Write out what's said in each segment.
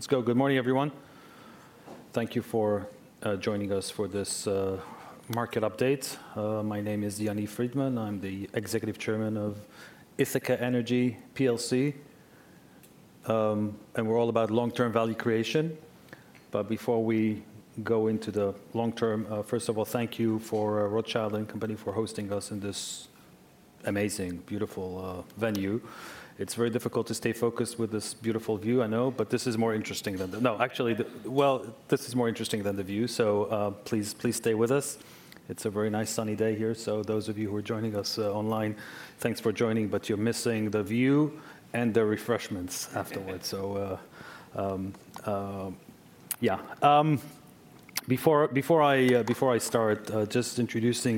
Let's go. Good morning, everyone. Thank you for joining us for this market update. My name is Yaniv Friedman. I'm the Executive Chairman of Ithaca Energy PLC. And we're all about long-term value creation. Before we go into the long term, first of all, thank you for Rothschild & Co for hosting us in this amazing, beautiful venue. It's very difficult to stay focused with this beautiful view, I know, but this is more interesting than the—no, actually, this is more interesting than the view. Please stay with us. It's a very nice sunny day here. Those of you who are joining us online, thanks for joining, but you're missing the view and the refreshments afterwards. Before I start, just introducing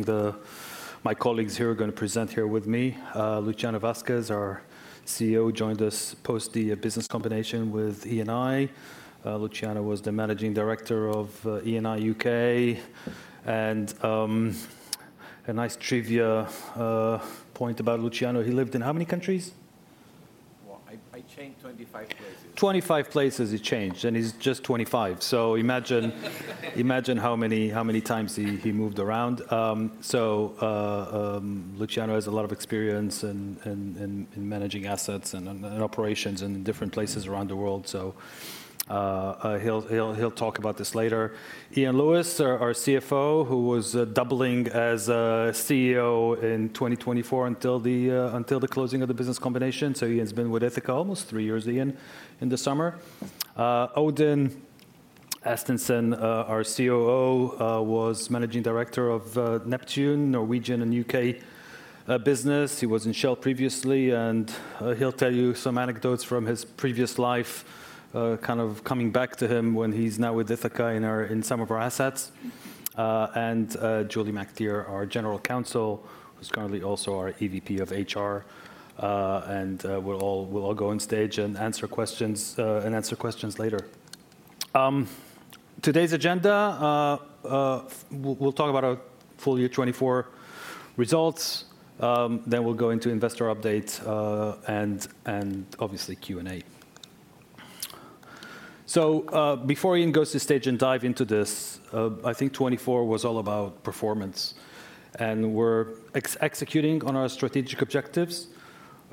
my colleagues who are going to present here with me. Luciano Vasquez, our CEO, joined us post the business combination with Eni. Luciano was the Managing Director of Eni U.K. A nice trivia point about Luciano: he lived in how many countries? I changed 25 places. 25 places he changed, and he's just 25. Imagine how many times he moved around. Luciano has a lot of experience in managing assets and operations in different places around the world. He'll talk about this later. Iain Lewis, our CFO, who was doubling as CEO in 2024 until the closing of the business combination. He has been with Ithaca almost three years, Iain, in the summer. Odin Estensen, our COO, was Managing Director of Neptune, Norwegian and U.K. business. He was in Shell previously. He'll tell you some anecdotes from his previous life, kind of coming back to him when he's now with Ithaca in some of our assets. Julie McAteer, our General Counsel, who's currently also our EVP of HR. We'll all go on stage and answer questions later. Today's agenda: we'll talk about our full year 2024 results. We will go into investor updates and obviously Q&A. Before Iain goes to stage and dives into this, I think 2024 was all about performance. We are executing on our strategic objectives,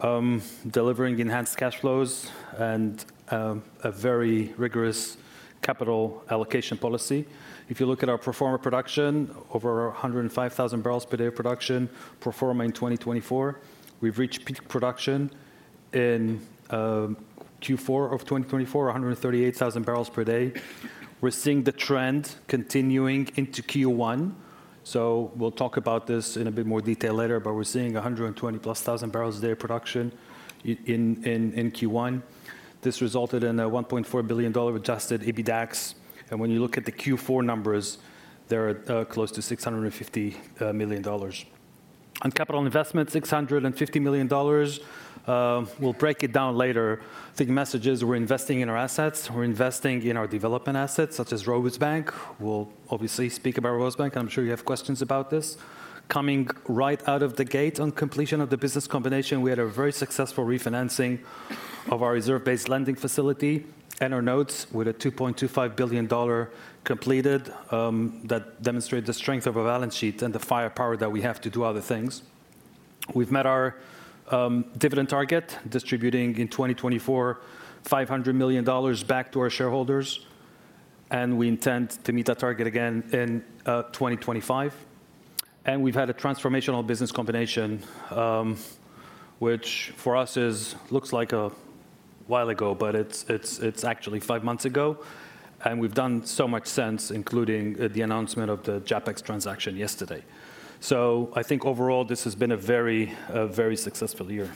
delivering enhanced cash flows, and a very rigorous capital allocation policy. If you look at our proforma production, over 105,000 barrels per day of production proforma in 2024. We have reached peak production in Q4 of 2024, 138,000 barrels per day. We are seeing the trend continuing into Q1. We will talk about this in a bit more detail later, but we are seeing 120+ thousand barrels a day of production in Q1. This resulted in a $1.4 billion Adjusted EBITDAX. When you look at the Q4 numbers, they are close to $650 million. On capital investment, $650 million. We will break it down later. The message is we are investing in our assets. We're investing in our development assets, such as Rosebank. We'll obviously speak about Rosebank. I'm sure you have questions about this. Coming right out of the gate on completion of the business combination, we had a very successful refinancing of our reserve-based lending facility and our notes with a $2.25 billion completed that demonstrated the strength of our balance sheet and the firepower that we have to do other things. We've met our dividend target, distributing in 2024 $500 million back to our shareholders. We intend to meet that target again in 2025. We've had a transformational business combination, which for us looks like a while ago, but it's actually five months ago. We've done so much since, including the announcement of the JAPEX transaction yesterday. I think overall, this has been a very, very successful year.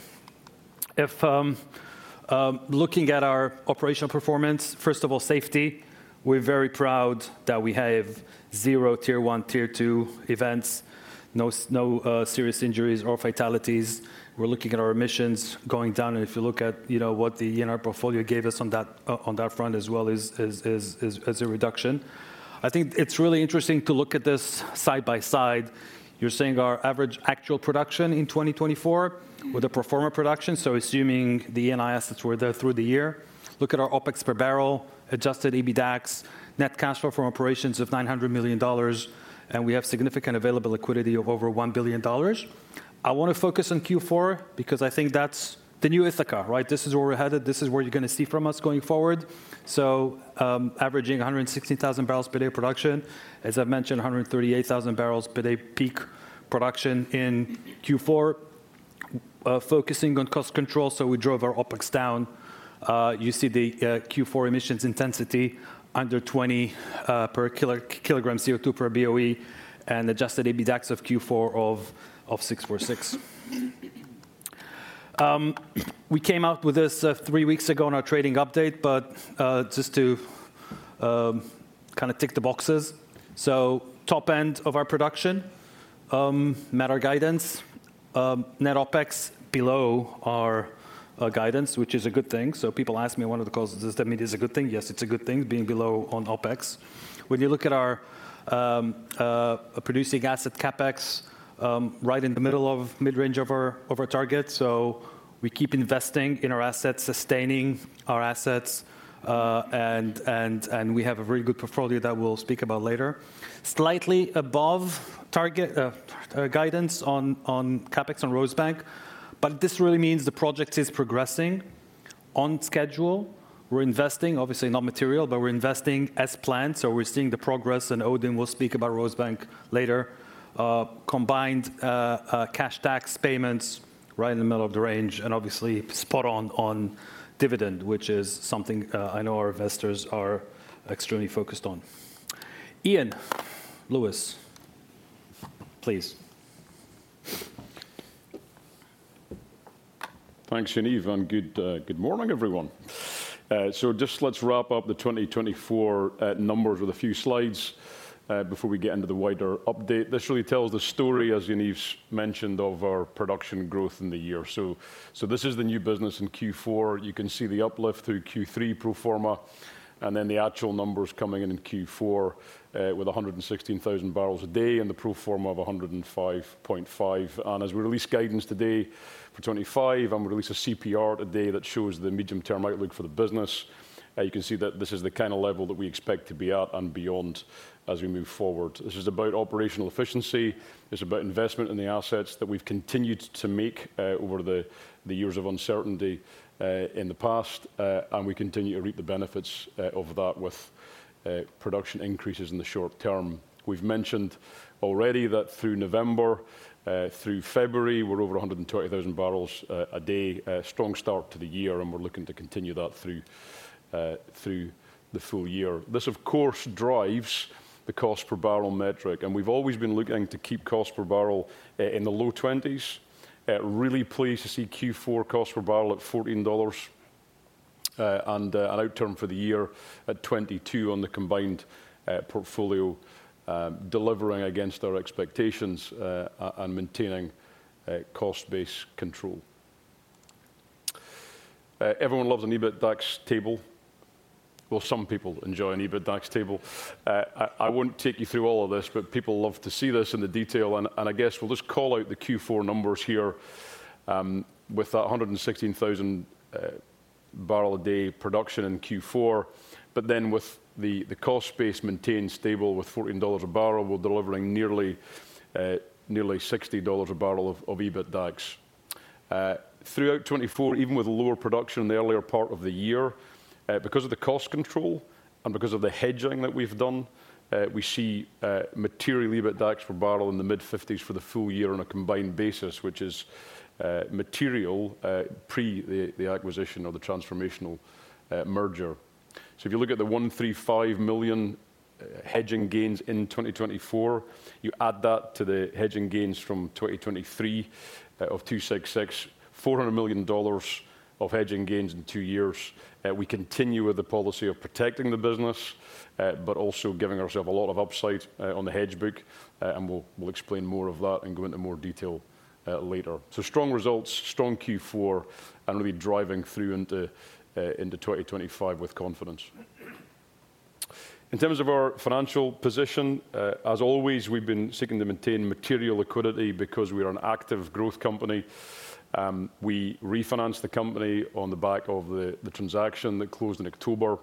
Looking at our operational performance, first of all, safety. We're very proud that we have zero tier one, tier two events, no serious injuries or fatalities. We're looking at our emissions going down. If you look at what the E&R portfolio gave us on that front as well as a reduction. I think it's really interesting to look at this side by side. You're seeing our average actual production in 2024 with the proforma production. Assuming the Eni assets were there through the year, look at our OpEx per barrel, Adjusted EBITDAX, net cash flow from operations of $900 million. We have significant available liquidity of over $1 billion. I want to focus on Q4 because I think that's the new Ithaca, right? This is where we're headed. This is where you're going to see from us going forward. Averaging 160,000 barrels per day of production, as I've mentioned, 138,000 barrels per day peak production in Q4. Focusing on cost control, we drove our OpEx down. You see the Q4 emissions intensity under 20 per kilogram CO2 per BOE and Adjusted EBITDAX of Q4 of 646. We came out with this three weeks ago in our trading update, just to kind of tick the boxes. Top end of our production met our guidance. Net OpEx below our guidance, which is a good thing. People ask me on one of the calls, does that mean it's a good thing? Yes, it's a good thing being below on OpEx. When you look at our producing asset capex, right in the middle of mid-range of our target. We keep investing in our assets, sustaining our assets. We have a very good portfolio that we'll speak about later. Slightly above target guidance on capex on Rosebank. This really means the project is progressing on schedule. We're investing, obviously not material, but we're investing as planned. We're seeing the progress. Odin will speak about Rosebank later. Combined cash tax payments right in the middle of the range. Obviously spot on dividend, which is something I know our investors are extremely focused on. Iain Lewis, please. Thanks, Yaniv. Good morning, everyone. Let's wrap up the 2024 numbers with a few slides before we get into the wider update. This really tells the story, as Yaniv mentioned, of our production growth in the year. This is the new business in Q4. You can see the uplift through Q3 pro forma. The actual numbers coming in Q4 with 116,000 barrels a day and the pro forma of 105.5. As we release guidance today for 2025, and we release a CPR today that shows the medium-term outlook for the business, you can see that this is the kind of level that we expect to be at and beyond as we move forward. This is about operational efficiency. It's about investment in the assets that we've continued to make over the years of uncertainty in the past. We continue to reap the benefits of that with production increases in the short term. We have mentioned already that through November, through February, we are over 120,000 barrels a day. Strong start to the year. We are looking to continue that through the full year. This, of course, drives the cost per barrel metric. We have always been looking to keep cost per barrel in the low 20s. Really pleased to see Q4 cost per barrel at $14 and an outturn for the year at 22 on the combined portfolio, delivering against our expectations and maintaining cost-based control. Everyone loves an EBITDAX table. Some people enjoy an EBITDAX table. I will not take you through all of this, but people love to see this in the detail. I guess we will just call out the Q4 numbers here with that 116,000 barrel a day production in Q4. With the cost base maintained stable with $14 a barrel, we're delivering nearly $60 a barrel of EBITDAX. Throughout 2024, even with lower production in the earlier part of the year, because of the cost control and because of the hedging that we've done, we see material EBITDAX per barrel in the mid-50s for the full year on a combined basis, which is material pre the acquisition of the transformational merger. If you look at the $135 million hedging gains in 2024, you add that to the hedging gains from 2023 of $266 million, $400 million of hedging gains in two years. We continue with the policy of protecting the business, but also giving ourselves a lot of upside on the hedge book. We'll explain more of that and go into more detail later. Strong results, strong Q4, and really driving through into 2025 with confidence. In terms of our financial position, as always, we've been seeking to maintain material liquidity because we are an active growth company. We refinanced the company on the back of the transaction that closed in October.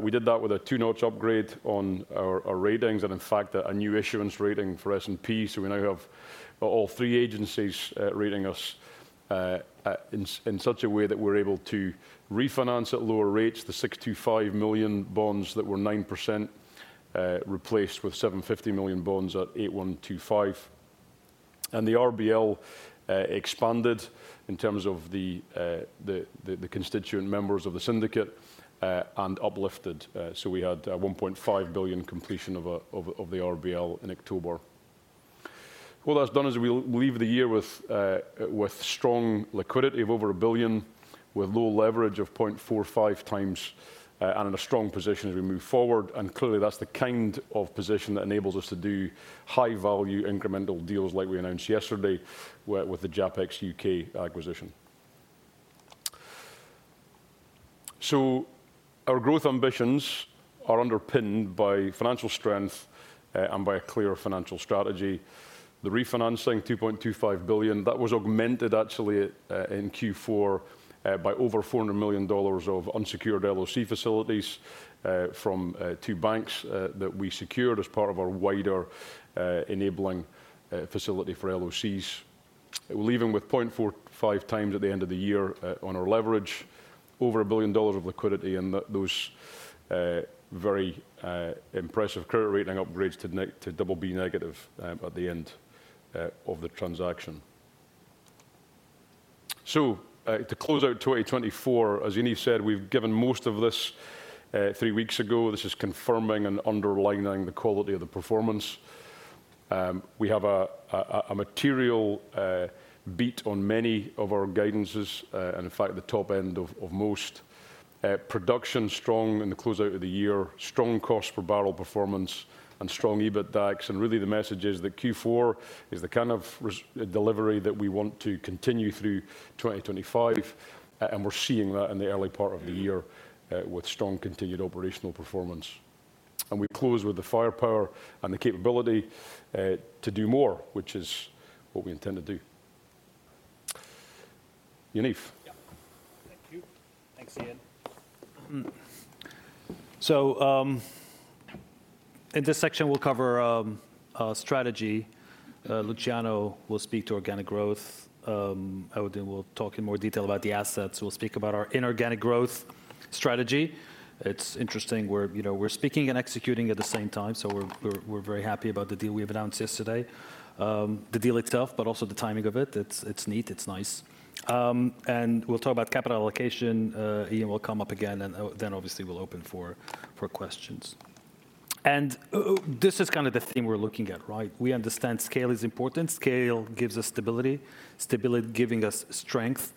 We did that with a two-notch upgrade on our ratings, and in fact, a new issuance rating for S&P. We now have all three agencies rating us in such a way that we're able to refinance at lower rates, the $625 million bonds that were 9% replaced with $750 million bonds at 8.125%. The RBL expanded in terms of the constituent members of the syndicate and uplifted. We had a $1.5 billion completion of the RBL in October. What that's done is we leave the year with strong liquidity of over $1 billion, with low leverage of 0.45 times, and in a strong position as we move forward. Clearly, that's the kind of position that enables us to do high-value incremental deals like we announced yesterday with the JAPEX U.K. acquisition. Our growth ambitions are underpinned by financial strength and by a clear financial strategy. The refinancing, $2.25 billion, that was augmented actually in Q4 by over $400 million of unsecured LOC facilities from two banks that we secured as part of our wider enabling facility for LOCs. We're leaving with 0.45 times at the end of the year on our leverage, over $1 billion of liquidity, and those very impressive credit rating upgrades to double B negative at the end of the transaction. To close out 2024, as Yaniv said, we've given most of this three weeks ago. This is confirming and underlining the quality of the performance. We have a material beat on many of our guidances, and in fact, the top end of most. Production strong in the closeout of the year, strong cost per barrel performance, and strong EBITDAX. Really, the message is that Q4 is the kind of delivery that we want to continue through 2025. We are seeing that in the early part of the year with strong continued operational performance. We close with the firepower and the capability to do more, which is what we intend to do. Yaniv. Yeah. Thank you. Thanks, Iain. In this section, we'll cover strategy. Luciano will speak to organic growth. Odin will talk in more detail about the assets. We'll speak about our inorganic growth strategy. It's interesting. We're speaking and executing at the same time. We're very happy about the deal we've announced yesterday, the deal itself, but also the timing of it. It's neat. It's nice. We'll talk about capital allocation. Iain will come up again. Obviously, we'll open for questions. This is kind of the theme we're looking at, right? We understand scale is important. Scale gives us stability, stability giving us strength.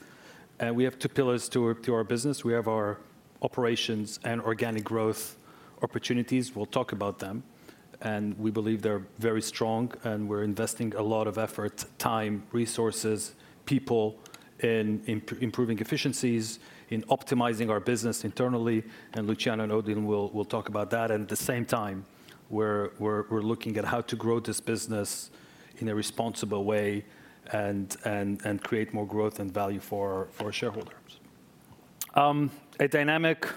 We have two pillars to our business. We have our operations and organic growth opportunities. We'll talk about them. We believe they're very strong. We're investing a lot of effort, time, resources, people in improving efficiencies, in optimizing our business internally. Luciano and Odin will talk about that. At the same time, we're looking at how to grow this business in a responsible way and create more growth and value for our shareholders. A dynamic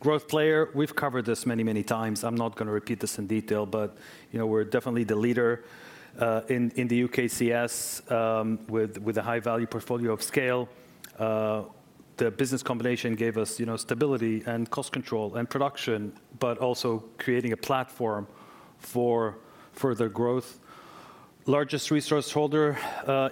growth player. We've covered this many, many times. I'm not going to repeat this in detail, but we're definitely the leader in the UKCS with a high-value portfolio of scale. The business combination gave us stability and cost control and production, but also creating a platform for further growth. Largest resource holder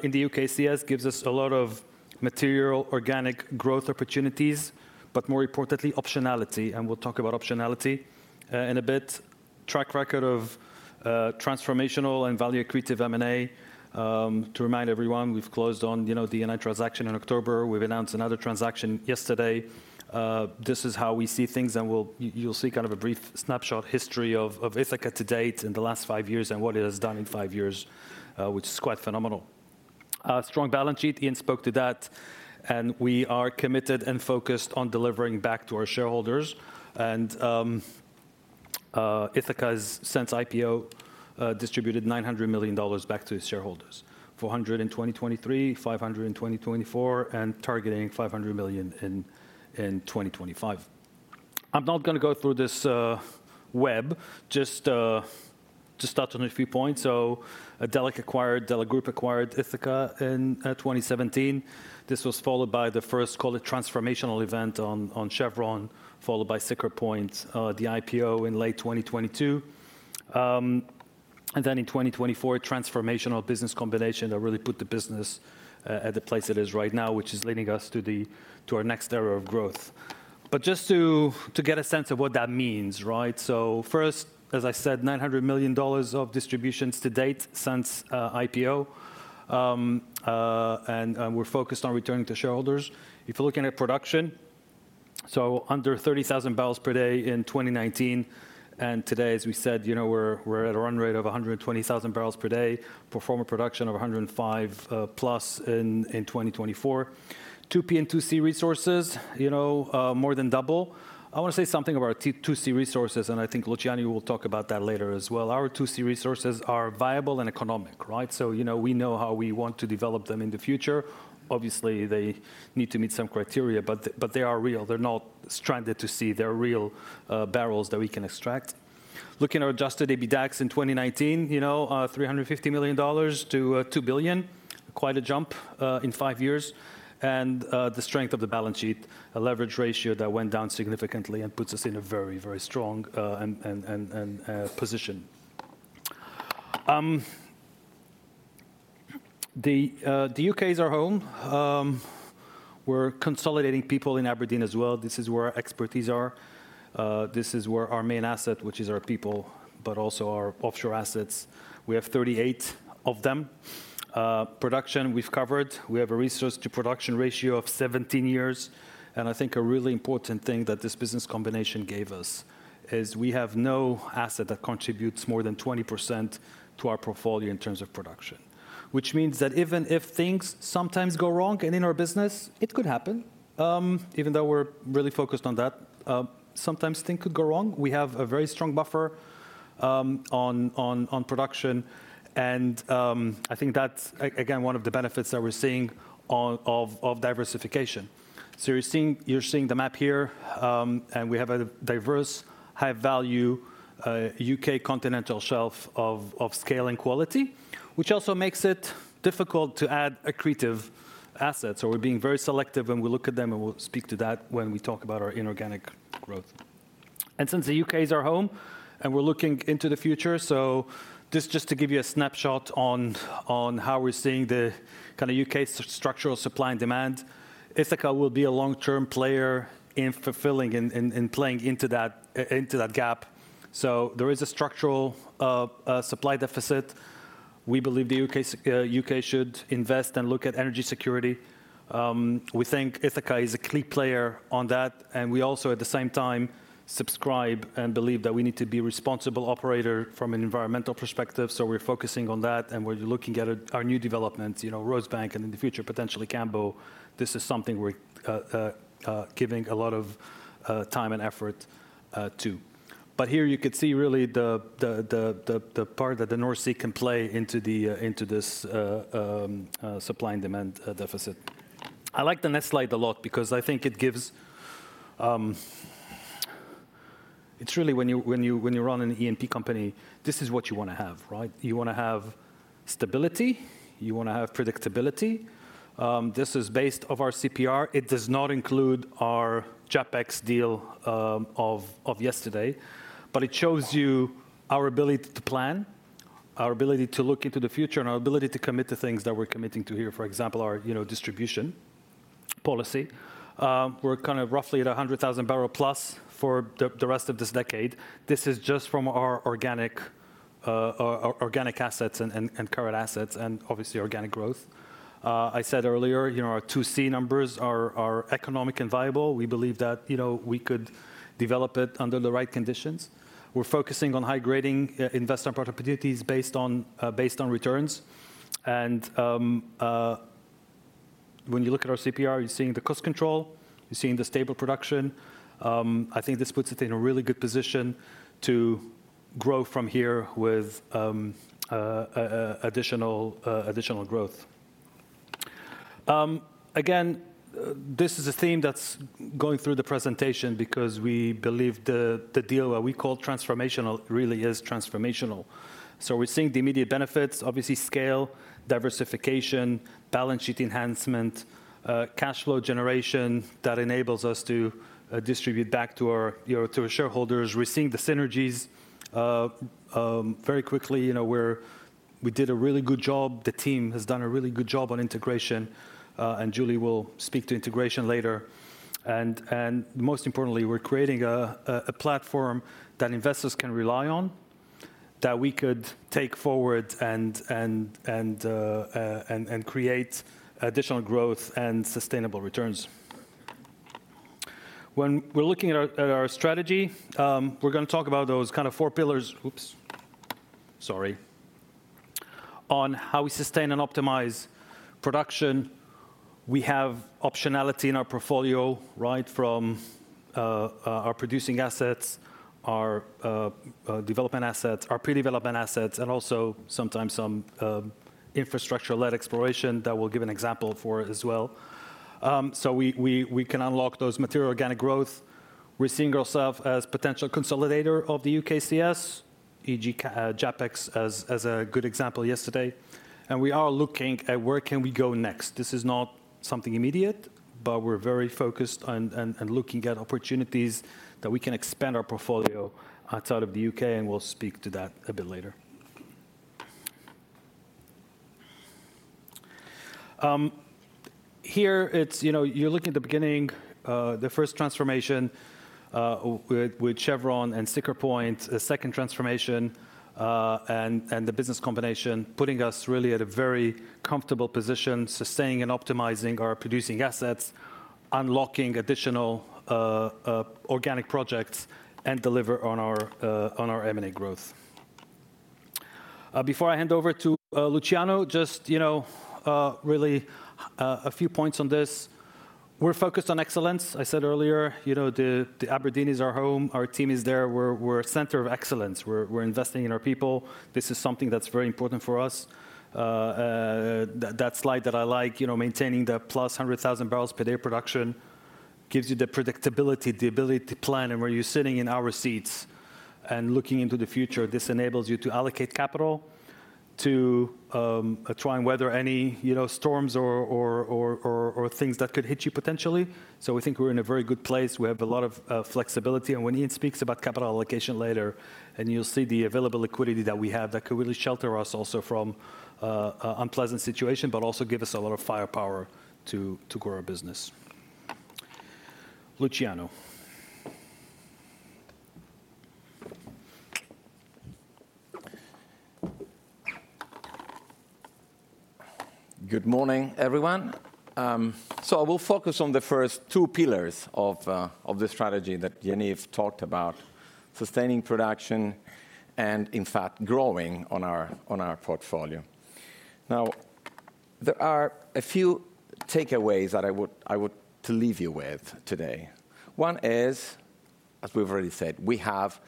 in the UKCS gives us a lot of material organic growth opportunities, but more importantly, optionality. We'll talk about optionality in a bit. Track record of transformational and value-accretive M&A. To remind everyone, we've closed on the NI transaction in October. We've announced another transaction yesterday. This is how we see things. You will see kind of a brief snapshot history of Ithaca to date in the last five years and what it has done in five years, which is quite phenomenal. Strong balance sheet. Iain spoke to that. We are committed and focused on delivering back to our shareholders. Ithaca has since IPO distributed $900 million back to its shareholders, $400 million in 2023, $500 million in 2024, and targeting $500 million in 2025. I'm not going to go through this web. Just to start on a few points. Delek Group acquired Ithaca in 2017. This was followed by the first, call it transformational event on Chevron, followed by Siccar Point, the IPO in late 2022. In 2024, transformational business combination that really put the business at the place it is right now, which is leading us to our next era of growth. Just to get a sense of what that means, right? First, as I said, $900 million of distributions to date since IPO. We're focused on returning to shareholders. If you're looking at production, under 30,000 barrels per day in 2019. Today, as we said, we're at a run rate of 120,000 barrels per day. Pro forma production of 105 plus in 2024. 2P and 2C resources, more than double. I want to say something about 2C resources. I think Luciano will talk about that later as well. Our 2C resources are viable and economic, right? We know how we want to develop them in the future. Obviously, they need to meet some criteria, but they are real. They're not stranded to sea. They're real barrels that we can extract. Looking at our Adjusted EBITDAX in 2019, $350 million-$2 billion, quite a jump in five years. The strength of the balance sheet, a leverage ratio that went down significantly and puts us in a very, very strong position. The U.K. is our home. We're consolidating people in Aberdeen as well. This is where our expertise are. This is where our main asset, which is our people, but also our offshore assets. We have 38 of them. Production, we've covered. We have a resource-to-production ratio of 17 years. I think a really important thing that this business combination gave us is we have no asset that contributes more than 20% to our portfolio in terms of production, which means that even if things sometimes go wrong and in our business, it could happen, even though we're really focused on that, sometimes things could go wrong. We have a very strong buffer on production. I think that's, again, one of the benefits that we're seeing of diversification. You're seeing the map here. We have a diverse, high-value U.K. continental shelf of scale and quality, which also makes it difficult to add accretive assets. We're being very selective when we look at them, and we'll speak to that when we talk about our inorganic growth. Since the U.K. is our home, and we're looking into the future, this is just to give you a snapshot on how we're seeing the kind of U.K. structural supply and demand. Ithaca will be a long-term player in fulfilling and playing into that gap. There is a structural supply deficit. We believe the U.K. should invest and look at energy security. We think Ithaca is a key player on that. We also, at the same time, subscribe and believe that we need to be a responsible operator from an environmental perspective. We're focusing on that. We're looking at our new developments, Rosebank, and in the future, potentially Cambo. This is something we're giving a lot of time and effort to. Here you could see really the part that the North Sea can play into this supply and demand deficit. I like the next slide a lot because I think it gives, it's really when you run an E&P company, this is what you want to have, right? You want to have stability. You want to have predictability. This is based off our CPR. It does not include our JAPEX deal of yesterday. It shows you our ability to plan, our ability to look into the future, and our ability to commit to things that we're committing to here. For example, our distribution policy. We're kind of roughly at 100,000 barrel plus for the rest of this decade. This is just from our organic assets and current assets and obviously organic growth. I said earlier, our 2C numbers are economic and viable. We believe that we could develop it under the right conditions. We're focusing on high-grading investor opportunities based on returns. When you look at our CPR, you're seeing the cost control. You're seeing the stable production. I think this puts it in a really good position to grow from here with additional growth. Again, this is a theme that's going through the presentation because we believe the deal that we call transformational really is transformational. We're seeing the immediate benefits, obviously scale, diversification, balance sheet enhancement, cash flow generation that enables us to distribute back to our shareholders. We're seeing the synergies very quickly. We did a really good job. The team has done a really good job on integration. Julie will speak to integration later. Most importantly, we're creating a platform that investors can rely on, that we could take forward and create additional growth and sustainable returns. When we're looking at our strategy, we're going to talk about those kind of four pillars. Oops. Sorry. On how we sustain and optimize production, we have optionality in our portfolio, right, from our producing assets, our development assets, our pre-development assets, and also sometimes some infrastructure-led exploration that we'll give an example for as well. We can unlock those material organic growth. We're seeing ourselves as a potential consolidator of the UKCS, e.g., JAPEX as a good example yesterday. We are looking at where can we go next. This is not something immediate, but we're very focused on looking at opportunities that we can expand our portfolio outside of the U.K.. We'll speak to that a bit later. Here, you're looking at the beginning, the first transformation with Chevron and Siccar Point, a second transformation, and the business combination putting us really at a very comfortable position, sustaining and optimizing our producing assets, unlocking additional organic projects, and deliver on our M&A growth. Before I hand over to Luciano, just really a few points on this. We're focused on excellence. I said earlier, Aberdeen is our home. Our team is there. We're a center of excellence. We're investing in our people. This is something that's very important for us. That slide that I like, maintaining the plus 100,000 barrels per day production, gives you the predictability, the ability to plan, and where you're sitting in our seats and looking into the future. This enables you to allocate capital to try and weather any storms or things that could hit you potentially. We think we're in a very good place. We have a lot of flexibility. When Iain speaks about capital allocation later, you'll see the available liquidity that we have that could really shelter us also from an unpleasant situation, but also give us a lot of firepower to grow our business. Luciano. Good morning, everyone. I will focus on the first two pillars of the strategy that Yaniv talked about, sustaining production and, in fact, growing on our portfolio. There are a few takeaways that I would leave you with today. One is, as we've already said, we have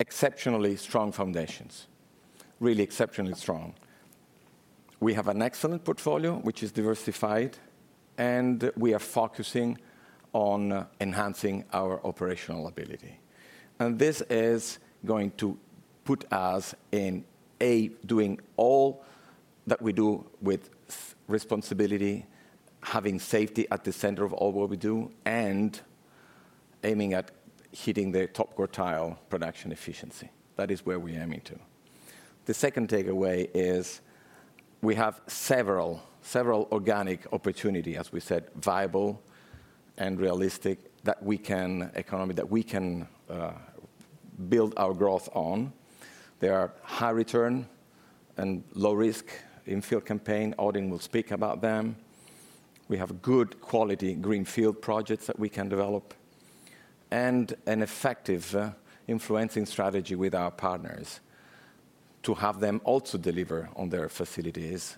exceptionally strong foundations, really exceptionally strong. We have an excellent portfolio, which is diversified, and we are focusing on enhancing our operational ability. This is going to put us in, A, doing all that we do with responsibility, having safety at the center of all what we do, and aiming at hitting the top quartile production efficiency. That is where we're aiming to. The second takeaway is we have several organic opportunities, as we said, viable and realistic that we can build our growth on. They are high return and low risk in field campaign. Odin will speak about them. We have good quality greenfield projects that we can develop and an effective influencing strategy with our partners to have them also deliver on their facilities.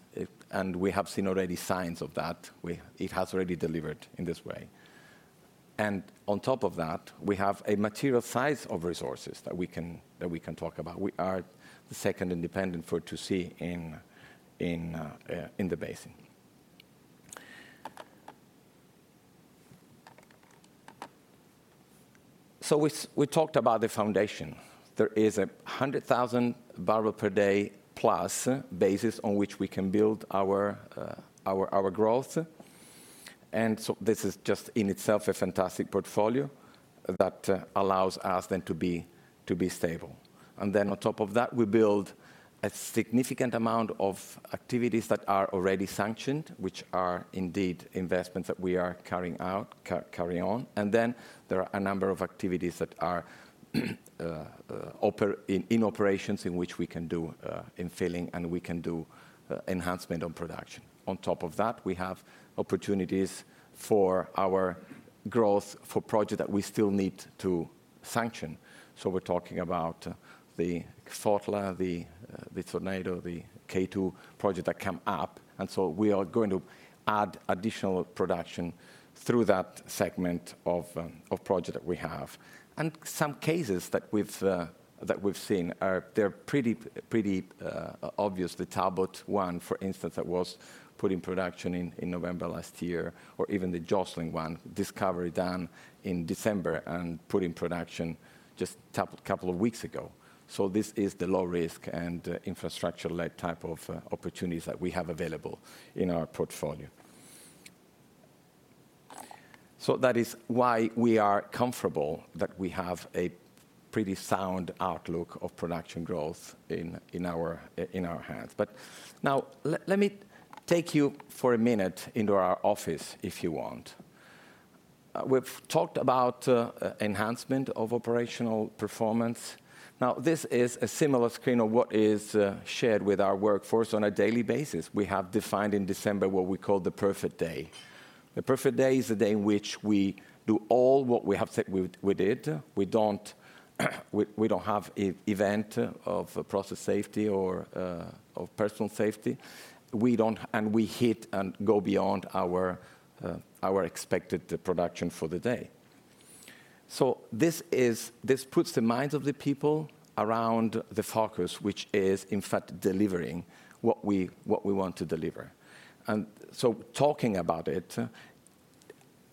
We have seen already signs of that. It has already delivered in this way. On top of that, we have a material size of resources that we can talk about. We are the second independent for 2C in the basin. We talked about the foundation. There is a 100,000 barrel per day plus basis on which we can build our growth. This is just in itself a fantastic portfolio that allows us then to be stable. On top of that, we build a significant amount of activities that are already sanctioned, which are indeed investments that we are carrying on. There are a number of activities that are in operations in which we can do infilling and we can do enhancement on production. On top of that, we have opportunities for our growth for projects that we still need to sanction. We're talking about the FOTLA, the Tornado, the K2 project that come up. We are going to add additional production through that segment of project that we have. In some cases that we've seen, they're pretty obvious. The Talbot one, for instance, that was put in production in November last year, or even the Jocelyn one, discovery done in December and put in production just a couple of weeks ago. This is the low risk and infrastructure-led type of opportunities that we have available in our portfolio. That is why we are comfortable that we have a pretty sound outlook of production growth in our hands. Now, let me take you for a minute into our office if you want. We've talked about enhancement of operational performance. This is a similar screen of what is shared with our workforce on a daily basis. We have defined in December what we call the perfect day. The perfect day is the day in which we do all what we have said we did. We don't have an event of process safety or of personal safety. We hit and go beyond our expected production for the day. This puts the minds of the people around the focus, which is, in fact, delivering what we want to deliver. Talking about it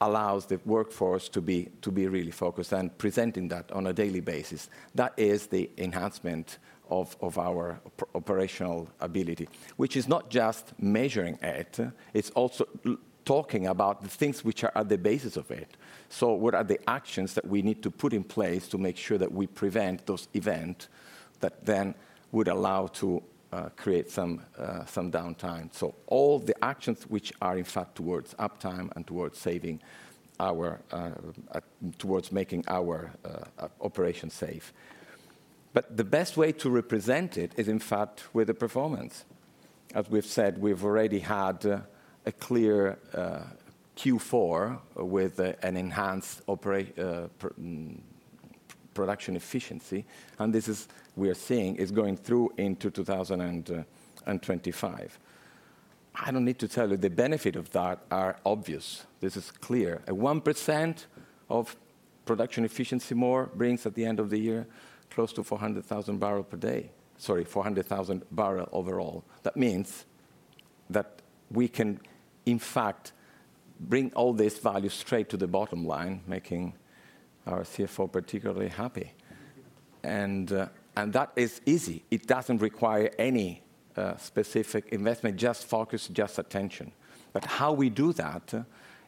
allows the workforce to be really focused and presenting that on a daily basis. That is the enhancement of our operational ability, which is not just measuring it. It is also talking about the things which are at the basis of it. What are the actions that we need to put in place to make sure that we prevent those events that then would allow to create some downtime? All the actions which are, in fact, towards uptime and towards making our operation safe. The best way to represent it is, in fact, with the performance. As we have said, we have already had a clear Q4 with an enhanced production efficiency. This is, we are seeing, going through into 2025. I do not need to tell you the benefit of that are obvious. This is clear. A 1% of production efficiency more brings at the end of the year close to 400,000 barrel per day. Sorry, 400,000 barrel overall. That means that we can, in fact, bring all this value straight to the bottom line, making our CFO particularly happy. That is easy. It does not require any specific investment, just focus, just attention. How we do that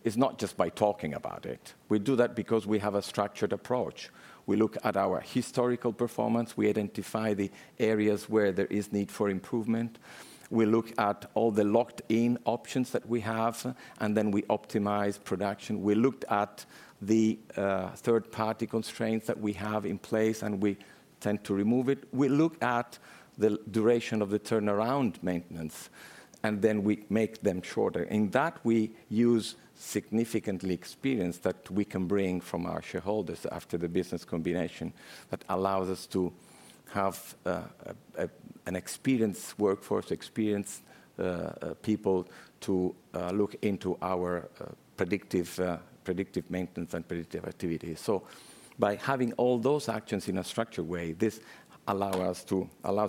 is not just by talking about it. We do that because we have a structured approach. We look at our historical performance. We identify the areas where there is need for improvement. We look at all the locked-in options that we have, and then we optimize production. We looked at the third-party constraints that we have in place, and we tend to remove it. We look at the duration of the turnaround maintenance, and then we make them shorter. In that, we use significant experience that we can bring from our shareholders after the business combination that allows us to have an experienced workforce, experienced people to look into our predictive maintenance and predictive activity. By having all those actions in a structured way, this allows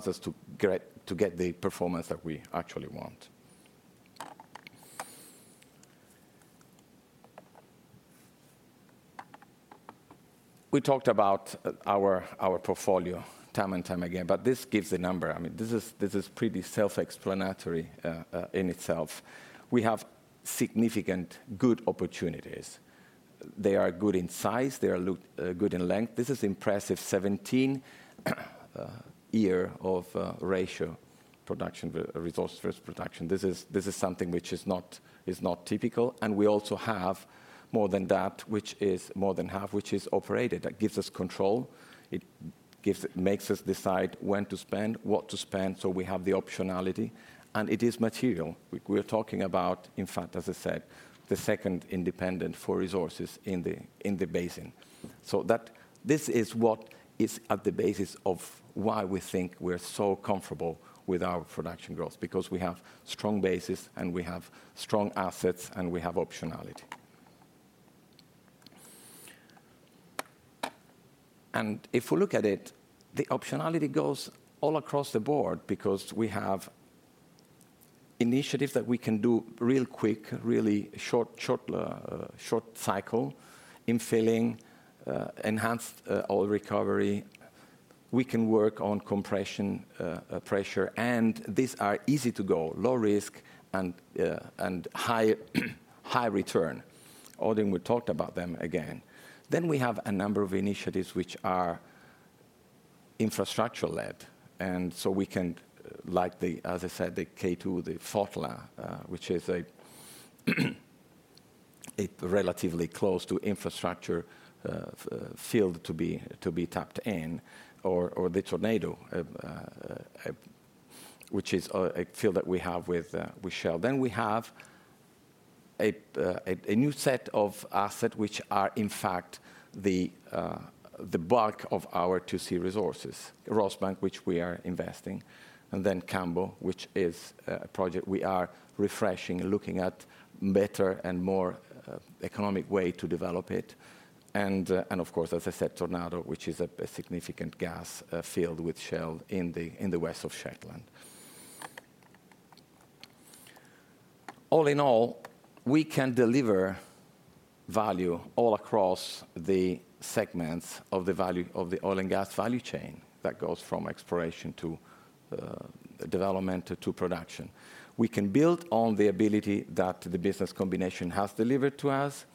us to get the performance that we actually want. We talked about our portfolio time and time again, but this gives the number. I mean, this is pretty self-explanatory in itself. We have significant good opportunities. They are good in size. They are good in length. This is impressive 17-year of ratio production, resource-based production. This is something which is not typical. We also have more than that, which is more than half, which is operated. That gives us control. It makes us decide when to spend, what to spend. We have the optionality. It is material. We are talking about, in fact, as I said, the second independent for resources in the basin. This is what is at the basis of why we think we're so comfortable with our production growth, because we have strong basis, and we have strong assets, and we have optionality. If we look at it, the optionality goes all across the board because we have initiatives that we can do real quick, really short cycle infilling, enhanced oil recovery. We can work on compression pressure. These are easy to go, low risk and high return. Odin will talk about them again. We have a number of initiatives which are infrastructure-led. We can, like the, as I said, the K2, the FOTLA, which is a relatively close to infrastructure field to be tapped in, or the Tornado, which is a field that we have with Shell. We have a new set of assets which are, in fact, the bulk of our 2C resources, Rosebank, which we are investing, and then Cambo, which is a project we are refreshing, looking at a better and more economic way to develop it. Of course, as I said, Tornado, which is a significant gas field with Shell in the West of Shetland. All in all, we can deliver value all across the segments of the oil and gas value chain that goes from exploration to development to production. We can build on the ability that the business combination has delivered to us,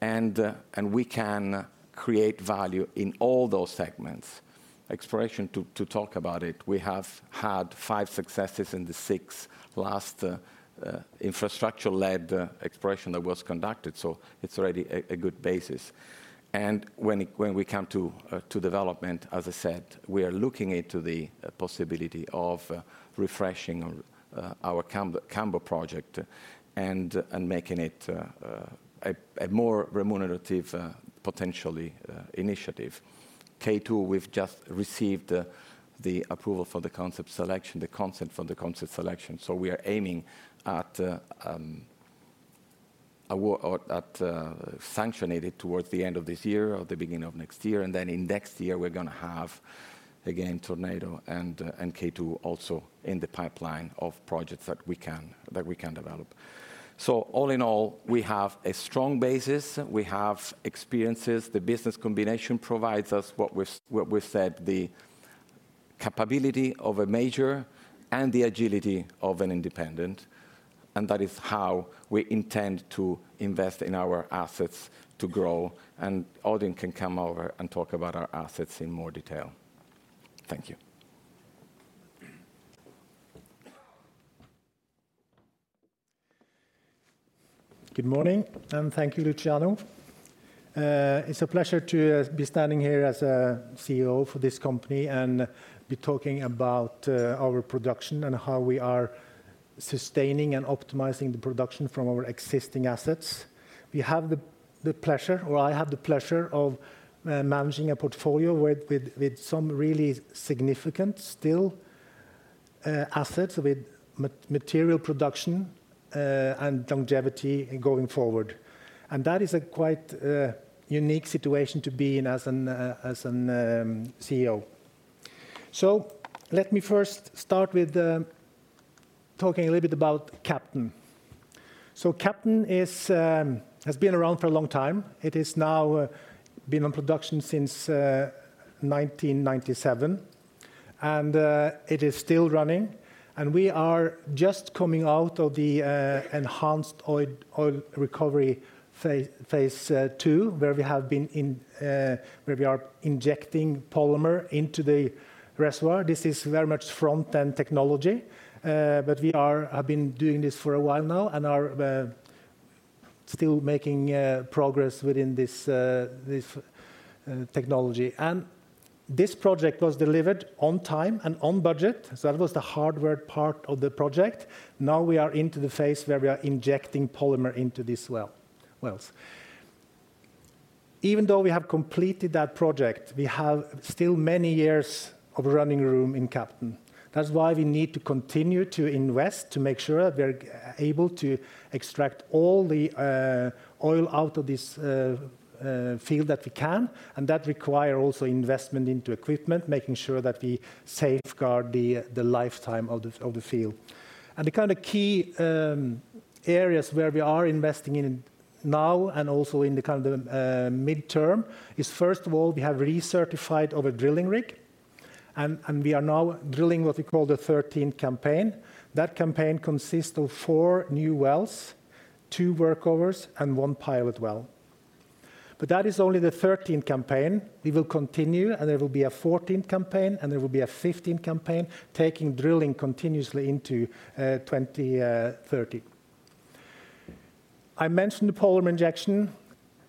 and we can create value in all those segments. Exploration, to talk about it, we have had five successes in the six last infrastructure-led exploration that was conducted. It is already a good basis. When we come to development, as I said, we are looking into the possibility of refreshing our Cambo project and making it a more remunerative potentially initiative. K2, we've just received the approval for the concept selection, the consent for the concept selection. We are aiming at sanctioning it towards the end of this year or the beginning of next year. In next year, we're going to have again Tornado and K2 also in the pipeline of projects that we can develop. All in all, we have a strong basis. We have experiences. The business combination provides us what we said, the capability of a major and the agility of an independent. That is how we intend to invest in our assets to grow. Odin can come over and talk about our assets in more detail. Thank you. Good morning, and thank you, Luciano. It's a pleasure to be standing here as a CEO for this company and be talking about our production and how we are sustaining and optimizing the production from our existing assets. We have the pleasure, or I have the pleasure of managing a portfolio with some really significant still assets with material production and longevity going forward. That is a quite unique situation to be in as a CEO. Let me first start with talking a little bit about Captain. Captain has been around for a long time. It has now been in production since 1997, and it is still running. We are just coming out of the enhanced oil recovery Phase II, where we have been in where we are injecting polymer into the reservoir. This is very much front-end technology, but we have been doing this for a while now and are still making progress within this technology. This project was delivered on time and on budget. That was the hardware part of the project. Now we are into the phase where we are injecting polymer into these wells. Even though we have completed that project, we have still many years of running room in Captain. That is why we need to continue to invest to make sure that we're able to extract all the oil out of this field that we can. That requires also investment into equipment, making sure that we safeguard the lifetime of the field. The kind of key areas where we are investing in now and also in the kind of midterm is, first of all, we have recertified our drilling rig. We are now drilling what we call the 13 campaign. That campaign consists of four new wells, two workovers, and one pilot well. That is only the 13 campaign. We will continue, and there will be a 14 campaign, and there will be a 15 campaign, taking drilling continuously into 2030. I mentioned the polymer injection.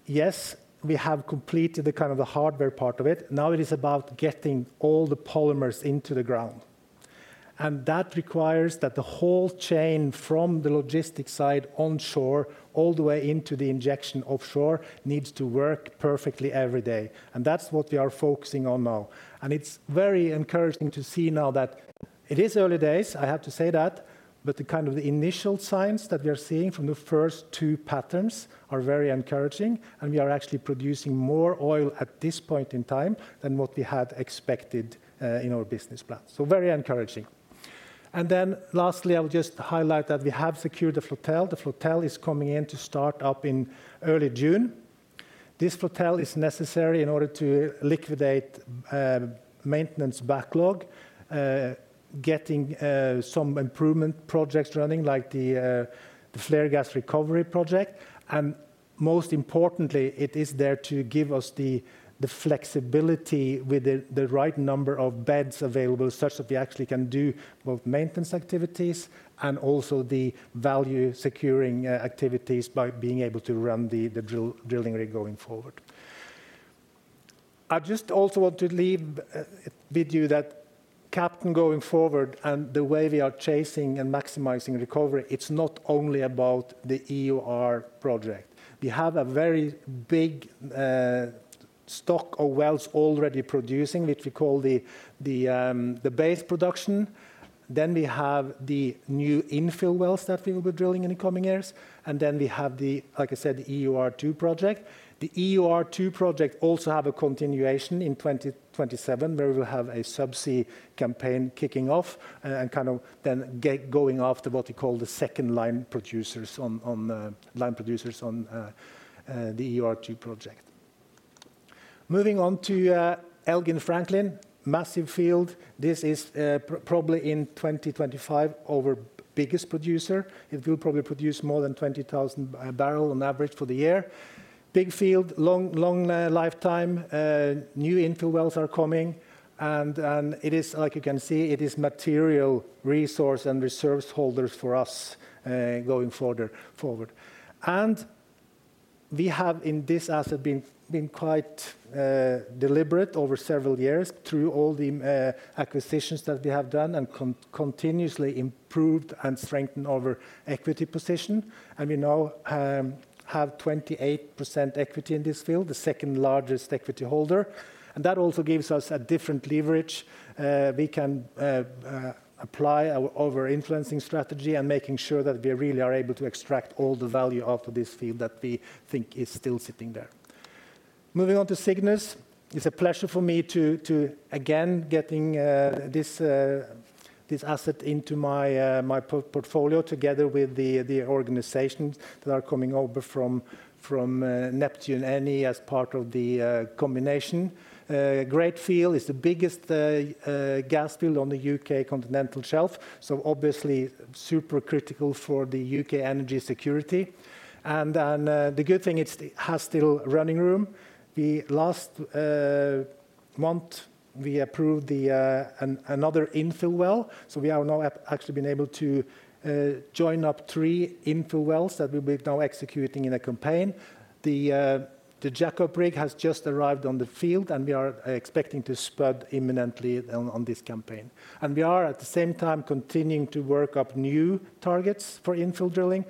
Yes, we have completed the kind of the hardware part of it. Now it is about getting all the polymers into the ground. That requires that the whole chain from the logistics side onshore all the way into the injection offshore needs to work perfectly every day. That is what we are focusing on now. It is very encouraging to see now that it is early days, I have to say that, but the kind of the initial signs that we are seeing from the first two patterns are very encouraging. We are actually producing more oil at this point in time than what we had expected in our business plan. This is very encouraging. Lastly, I will just highlight that we have secured the flotille. The flotille is coming in to start up in early June. This flotille is necessary in order to liquidate maintenance backlog, getting some improvement projects running like the flare gas recovery project. Most importantly, it is there to give us the flexibility with the right number of beds available such that we actually can do both maintenance activities and also the value securing activities by being able to run the drilling rig going forward. I just also want to leave with you that Captain going forward and the way we are chasing and maximizing recovery, it is not only about the EOR project. We have a very big stock of wells already producing, which we call the base production. We have the new infill wells that we will be drilling in the coming years. We have the, like I said, EOR 2 project. The EOR 2 project also has a continuation in 2027 where we will have a subsea campaign kicking off and kind of then going after what we call the second line producers on the EOR 2 project. Moving on to Elgin Franklin, massive field. This is probably in 2025 our biggest producer. It will probably produce more than 20,000 barrels on average for the year. Big field, long lifetime. New infill wells are coming. It is, like you can see, it is material resource and resource holders for us going forward. We have in this asset been quite deliberate over several years through all the acquisitions that we have done and continuously improved and strengthened our equity position. We now have 28% equity in this field, the second largest equity holder. That also gives us a different leverage. We can apply our influencing strategy and make sure that we really are able to extract all the value out of this field that we think is still sitting there. Moving on to Cygnus, it's a pleasure for me to again get this asset into my portfolio together with the organizations that are coming over from Neptune Energy as part of the combination. Great field is the biggest gas field on the U.K. Continental Shelf. Obviously, super critical for the U.K. energy security. The good thing is it has still running room. Last month, we approved another infill well. We have now actually been able to join up three infill wells that we'll be now executing in a campaign. The Jacob rig has just arrived on the field, and we are expecting to spread imminently on this campaign. We are at the same time continuing to work up new targets for infill drilling.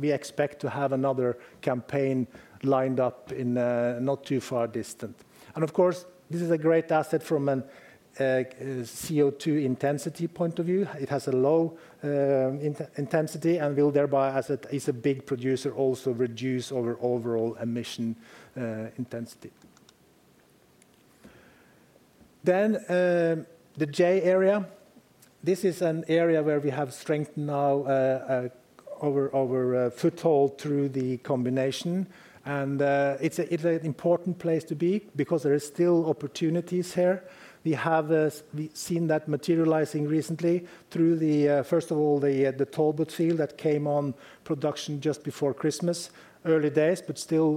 We expect to have another campaign lined up not too far distant. Of course, this is a great asset from a CO2 intensity point of view. It has a low intensity and will thereby, as it is a big producer, also reduce our overall emission intensity. The J area is an area where we have strengthened now our foothold through the combination. It is an important place to be because there are still opportunities here. We have seen that materializing recently through, first of all, the Talbot field that came on production just before Christmas, early days, but still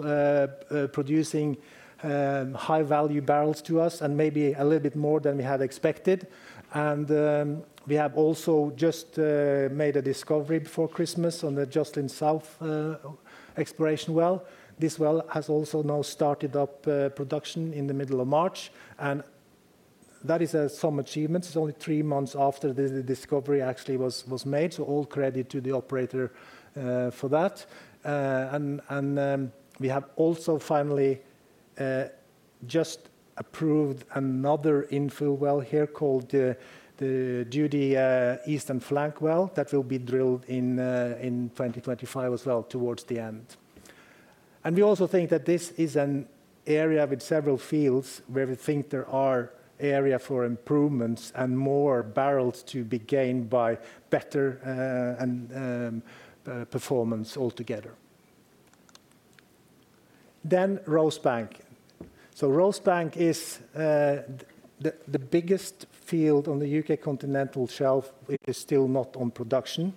producing high-value barrels to us and maybe a little bit more than we had expected. We have also just made a discovery before Christmas on the Jocelyn South exploration well. This well has also now started up production in the middle of March. That is some achievements. It is only three months after the discovery actually was made. All credit to the operator for that. We have also finally just approved another infill well here called the Duty Eastern Flank well that will be drilled in 2025 as well towards the end. We also think that this is an area with several fields where we think there are areas for improvements and more barrels to be gained by better performance altogether. Rosbank is the biggest field on the U.K. Continental Shelf. It is still not on production.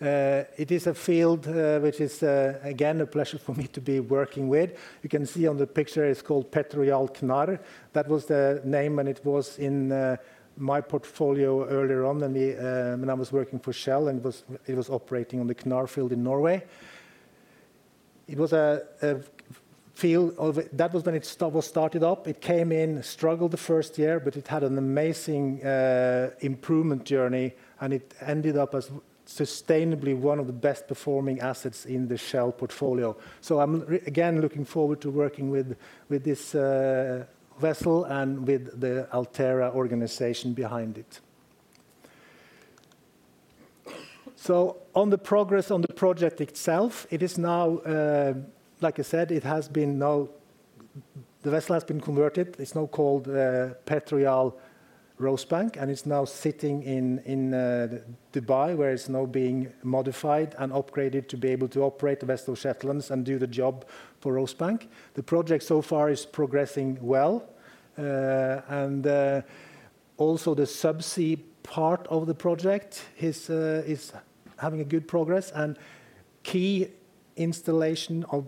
It is a field which is, again, a pleasure for me to be working with. You can see on the picture it's called Petrojarl Knarr. That was the name, and it was in my portfolio earlier on when I was working for Shell and it was operating on the Knarr field in Norway. It was a field that was when it was started up. It came in, struggled the first year, but it had an amazing improvement journey. It ended up as sustainably one of the best performing assets in the Shell portfolio. I am again looking forward to working with this vessel and with the Altera organization behind it. On the progress on the project itself, it is now, like I said, it has been now, the vessel has been converted. It is now called Petrojarl Rosebank, and it is now sitting in Dubai where it is now being modified and upgraded to be able to operate the vessel Shetlands and do the job for Rosebank. The project so far is progressing well. Also, the subsea part of the project is having good progress. Key installation of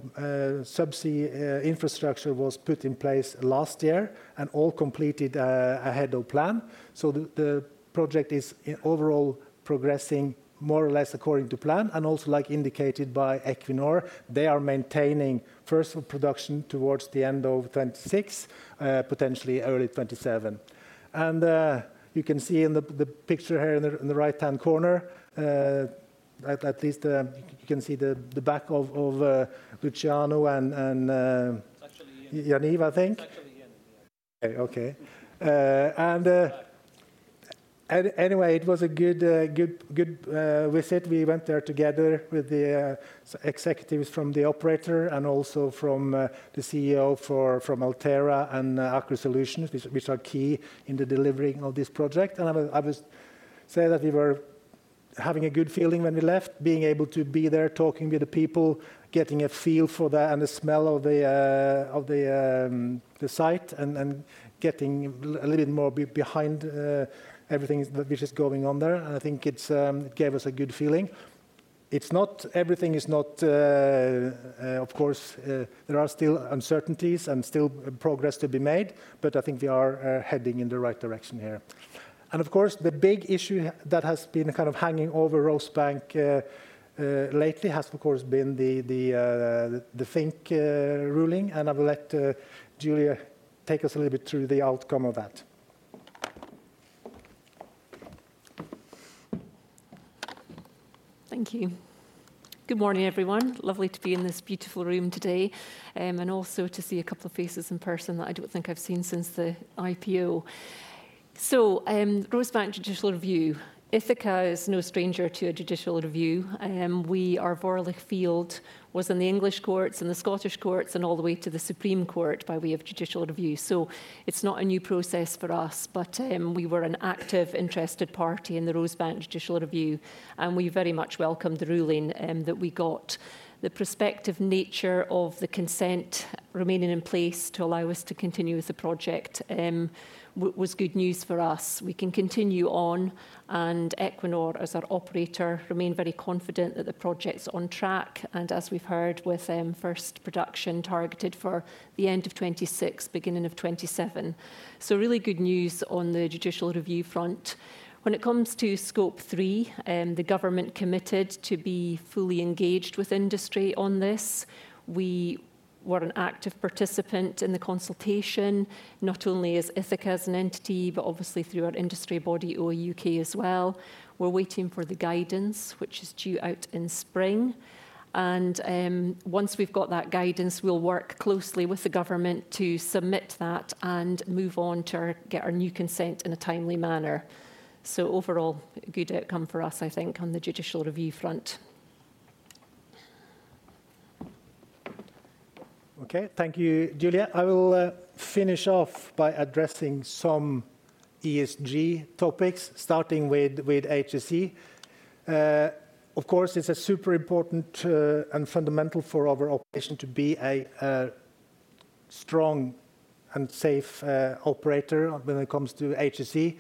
subsea infrastructure was put in place last year and all completed ahead of plan. The project is overall progressing more or less according to plan. Also, like indicated by Equinor, they are maintaining first production towards the end of 2026, potentially early 2027. You can see in the picture here in the right-hand corner, at least you can see the back of Luciano and Yaniv, I think. Okay. It was a good visit. We went there together with the executives from the operator and also the CEO from Altera and Aker Solutions, which are key in the delivering of this project. I would say that we were having a good feeling when we left, being able to be there talking with the people, getting a feel for that and the smell of the site and getting a little bit more behind everything which is going on there. I think it gave us a good feeling. Everything is not, of course, there are still uncertainties and still progress to be made, but I think we are heading in the right direction here. Of course, the big issue that has been kind of hanging over Rosebank lately has, of course, been the Fink ruling. I will let Julie take us a little bit through the outcome of that. Thank you. Good morning, everyone. Lovely to be in this beautiful room today and also to see a couple of faces in person that I do not think I have seen since the IPO. Rosbank judicial review, Ithaca is no stranger to a judicial review. Our Vorlich Field was in the English courts and the Scottish courts and all the way to the Supreme Court by way of judicial review. It is not a new process for us, but we were an active interested party in the Rosbank judicial review. We very much welcome the ruling that we got. The prospective nature of the consent remaining in place to allow us to continue with the project was good news for us. We can continue on and Equinor as our operator remained very confident that the project's on track and as we've heard with first production targeted for the end of 2026, beginning of 2027. Really good news on the judicial review front. When it comes to scope three, the government committed to be fully engaged with industry on this. We were an active participant in the consultation, not only as Ithaca as an entity, but obviously through our industry body, OIUK as well. We're waiting for the guidance, which is due out in spring. Once we've got that guidance, we'll work closely with the government to submit that and move on to get our new consent in a timely manner. Overall, good outcome for us, I think, on the judicial review front. Okay, thank you, Julie. I will finish off by addressing some ESG topics, starting with HSE. Of course, it's super important and fundamental for our operation to be a strong and safe operator when it comes to HSE.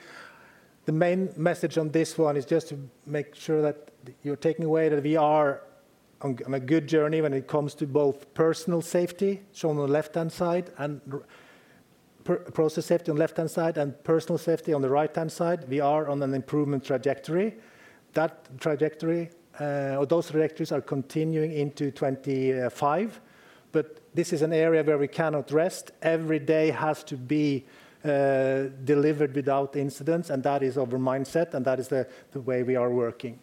The main message on this one is just to make sure that you're taking away that we are on a good journey when it comes to both personal safety, shown on the left-hand side, and process safety on the left-hand side and personal safety on the right-hand side. We are on an improvement trajectory. Those trajectories are continuing into 2025, but this is an area where we cannot rest. Every day has to be delivered without incidents, and that is our mindset, and that is the way we are working.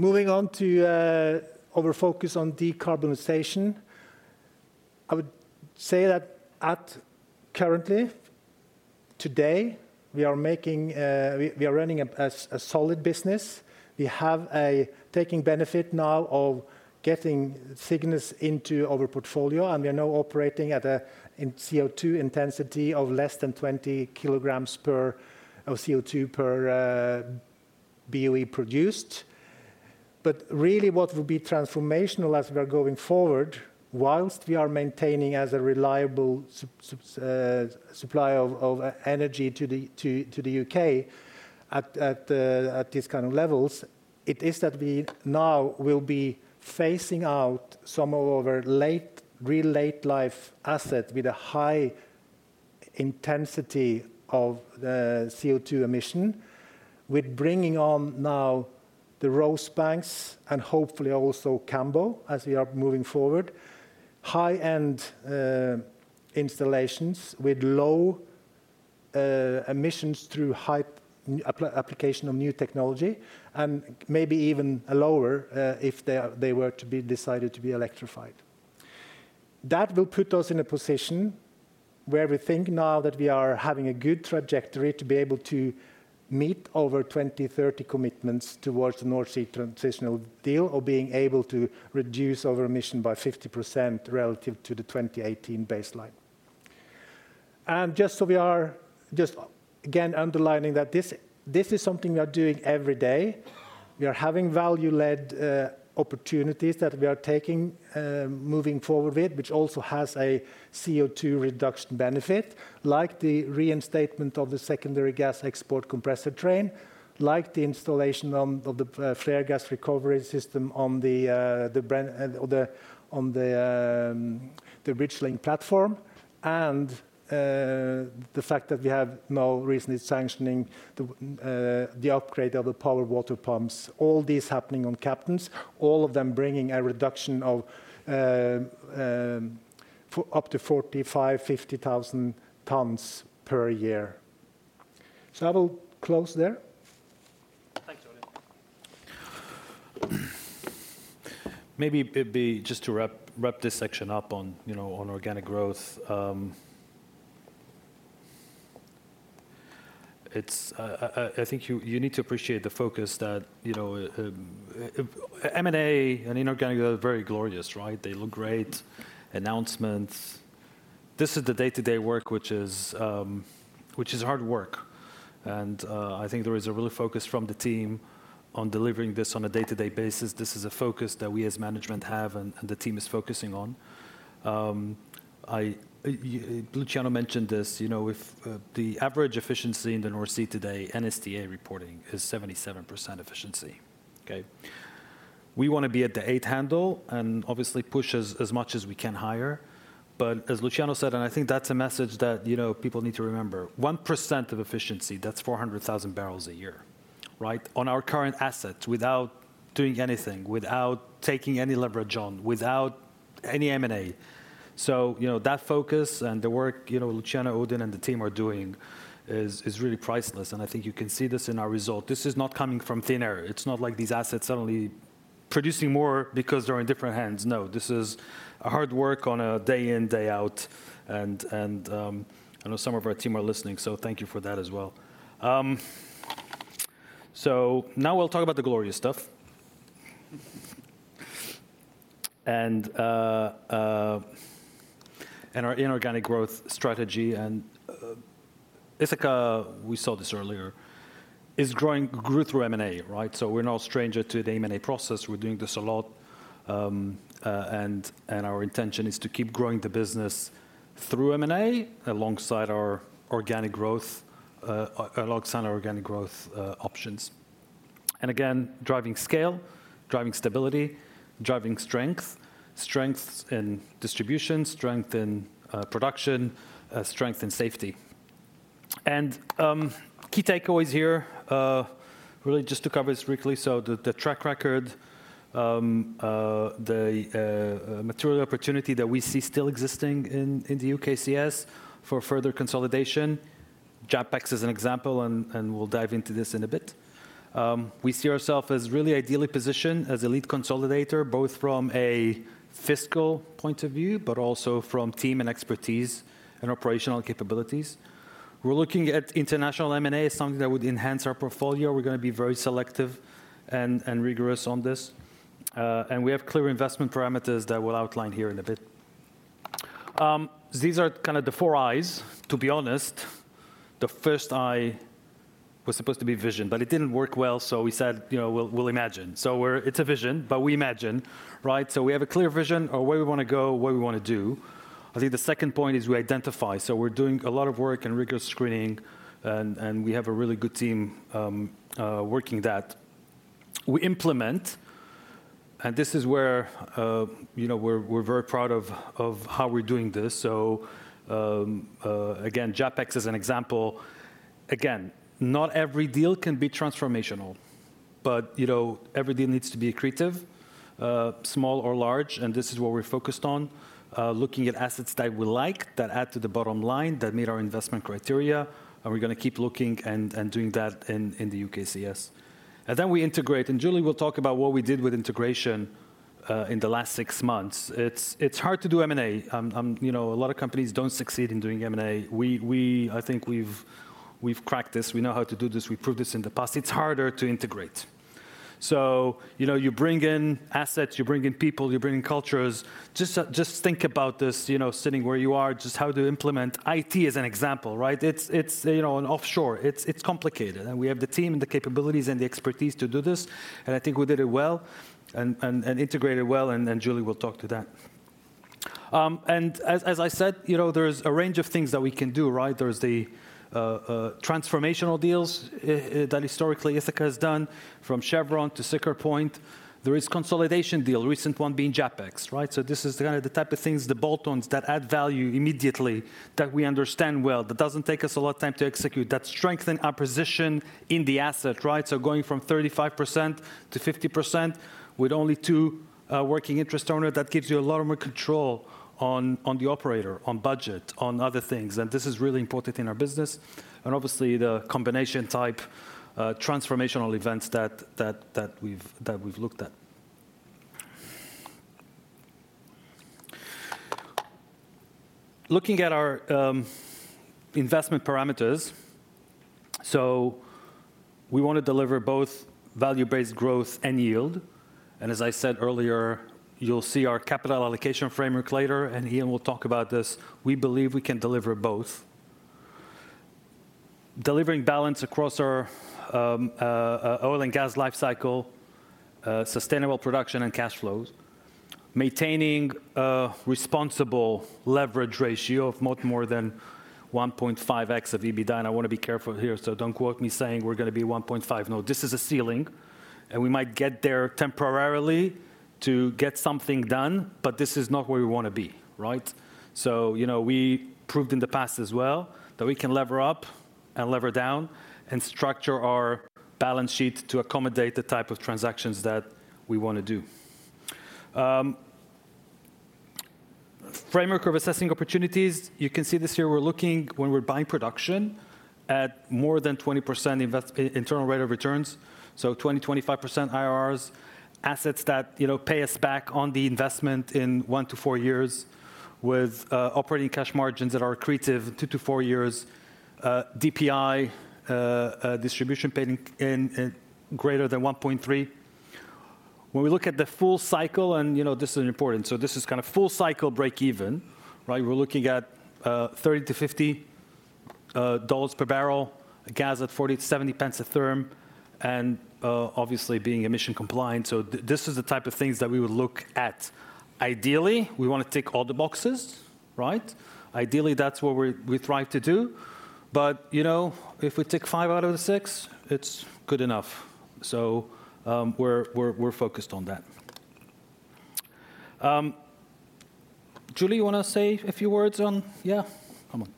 Moving on to our focus on decarbonization, I would say that currently, today, we are running a solid business. We have a taking benefit now of getting Cygnus into our portfolio, and we are now operating at a CO2 intensity of less than 20 kg CO2 per BOE produced. Really, what will be transformational as we are going forward, whilst we are maintaining as a reliable supplier of energy to the U.K. at these kind of levels, it is that we now will be phasing out some of our really late-life assets with a high intensity of CO2 emission, with bringing on now the Rosebanks and hopefully also Cambo as we are moving forward, high-end installations with low emissions through high application of new technology, and maybe even lower if they were to be decided to be electrified. That will put us in a position where we think now that we are having a good trajectory to be able to meet our 2030 commitments towards the North Sea Transitional Deal or being able to reduce our emission by 50% relative to the 2018 baseline. Just so we are just again underlining that this is something we are doing every day. We are having value-led opportunities that we are taking moving forward with, which also has a CO2 reduction benefit, like the reinstatement of the secondary gas export compressor train, like the installation of the flare gas recovery system on the bridge link platform, and the fact that we have no reason to be sanctioning the upgrade of the power water pumps. All these happening on Captain, all of them bringing a reduction of up to 45,000-50,000 tons per year. I will close there. Thanks, Julia. Maybe just to wrap this section up on organic growth, I think you need to appreciate the focus that M&A and inorganic growth are very glorious, right? They look great. Announcements. This is the day-to-day work, which is hard work. I think there is a real focus from the team on delivering this on a day-to-day basis. This is a focus that we as management have and the team is focusing on. Luciano mentioned this. The average efficiency in the North Sea today, NSDA reporting, is 77% efficiency. We want to be at the eight handle and obviously push as much as we can higher. As Luciano said, and I think that's a message that people need to remember, 1% of efficiency, that's 400,000 barrels a year, right? On our current assets without doing anything, without taking any leverage on, without any M&A. That focus and the work Luciano, Odin, and the team are doing is really priceless. I think you can see this in our result. This is not coming from thin air. It's not like these assets suddenly producing more because they're in different hands. No, this is hard work on a day in, day out. I know some of our team are listening, so thank you for that as well. Now we'll talk about the glorious stuff. Our inorganic growth strategy and Ithaca, we saw this earlier, is growing through M&A, right? We're no stranger to the M&A process. We're doing this a lot. Our intention is to keep growing the business through M&A alongside our organic growth, alongside our organic growth options. Again, driving scale, driving stability, driving strength, strength in distribution, strength in production, strength in safety. Key takeaways here, really just to cover this quickly. The track record, the material opportunity that we see still existing in the UKCS for further consolidation, JAPEX is an example, and we'll dive into this in a bit. We see ourselves as really ideally positioned as a lead consolidator, both from a fiscal point of view, but also from team and expertise and operational capabilities. We're looking at international M&A as something that would enhance our portfolio. We're going to be very selective and rigorous on this. We have clear investment parameters that we'll outline here in a bit. These are kind of the four I's, to be honest. The first I was supposed to be vision, but it didn't work well, so we said, we'll imagine. It's a vision, but we imagine, right? We have a clear vision of where we want to go, what we want to do. I think the second point is we identify. We're doing a lot of work and rigorous screening, and we have a really good team working that. We implement, and this is where we're very proud of how we're doing this. JAPEX is an example. Not every deal can be transformational, but every deal needs to be creative, small or large, and this is what we're focused on, looking at assets that we like, that add to the bottom line, that meet our investment criteria. We're going to keep looking and doing that in the UKCS. We integrate. Julie will talk about what we did with integration in the last six months. It's hard to do M&A. A lot of companies don't succeed in doing M&A. I think we've cracked this. We know how to do this. We proved this in the past. It's harder to integrate. You bring in assets, you bring in people, you bring in cultures. Just think about this sitting where you are, just how to implement. IT is an example, right? It's an offshore. It's complicated. We have the team and the capabilities and the expertise to do this. I think we did it well and integrated well, and Julie will talk to that. As I said, there's a range of things that we can do, right? There's the transformational deals that historically Ithaca has done, from Chevron to Siccar Point. There is consolidation deal, recent one being JAPEX, right? This is kind of the type of things, the bolt-ons that add value immediately, that we understand well, that does not take us a lot of time to execute, that strengthen our position in the asset, right? Going from 35% to 50% with only two working interest owners, that gives you a lot more control on the operator, on budget, on other things. This is really important in our business. Obviously, the combination type transformational events that we have looked at. Looking at our investment parameters, we want to deliver both value-based growth and yield. As I said earlier, you will see our capital allocation framework later, and Iain will talk about this. We believe we can deliver both. Delivering balance across our oil and gas lifecycle, sustainable production and cash flows, maintaining a responsible leverage ratio of not more than 1.5x of EBITDA. I want to be careful here, so do not quote me saying we are going to be 1.5. No, this is a ceiling, and we might get there temporarily to get something done, but this is not where we want to be, right? We proved in the past as well that we can lever up and lever down and structure our balance sheet to accommodate the type of transactions that we want to do. Framework of assessing opportunities. You can see this here. We are looking when we are buying production at more than 20% internal rate of returns, so 20%-25% IRRs, assets that pay us back on the investment in one to four years with operating cash margins that are accretive in two to four years, DPI distribution paid in greater than 1.3. When we look at the full cycle, and this is important, this is kind of full cycle break even, right? We're looking at $30-$50 per barrel, gas at 0.40-0.70 a therm, and obviously being emission compliant. This is the type of things that we would look at. Ideally, we want to tick all the boxes, right? Ideally, that's what we thrive to do. If we tick five out of the six, it's good enough. We are focused on that. Julie, you want to say a few words on, yeah, come on.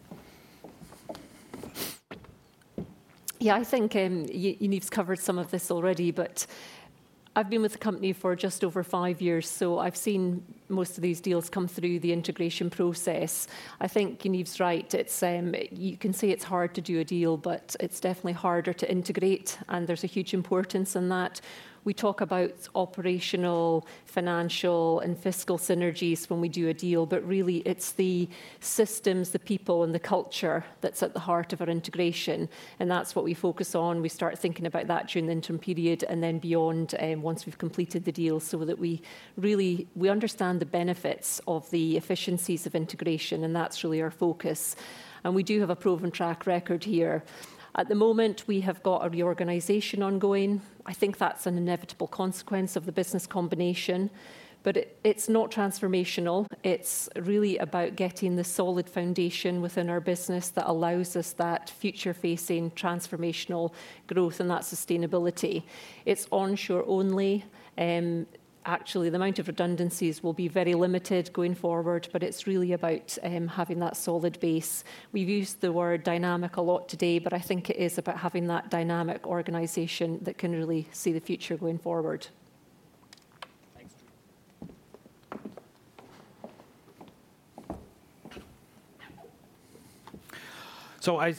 Yeah, I think Yaniv's covered some of this already, but I've been with the company for just over five years, so I've seen most of these deals come through the integration process. I think Yaniv's right. You can say it's hard to do a deal, but it's definitely harder to integrate, and there's a huge importance in that. We talk about operational, financial, and fiscal synergies when we do a deal, but really, it's the systems, the people, and the culture that's at the heart of our integration. That's what we focus on. We start thinking about that during the interim period and then beyond once we've completed the deal so that we really understand the benefits of the efficiencies of integration, and that's really our focus. We do have a proven track record here. At the moment, we have got a reorganization ongoing. I think that's an inevitable consequence of the business combination, but it's not transformational. It's really about getting the solid foundation within our business that allows us that future-facing transformational growth and that sustainability. It's onshore only. Actually, the amount of redundancies will be very limited going forward, but it's really about having that solid base. We've used the word dynamic a lot today, but I think it is about having that dynamic organization that can really see the future going forward. Thanks.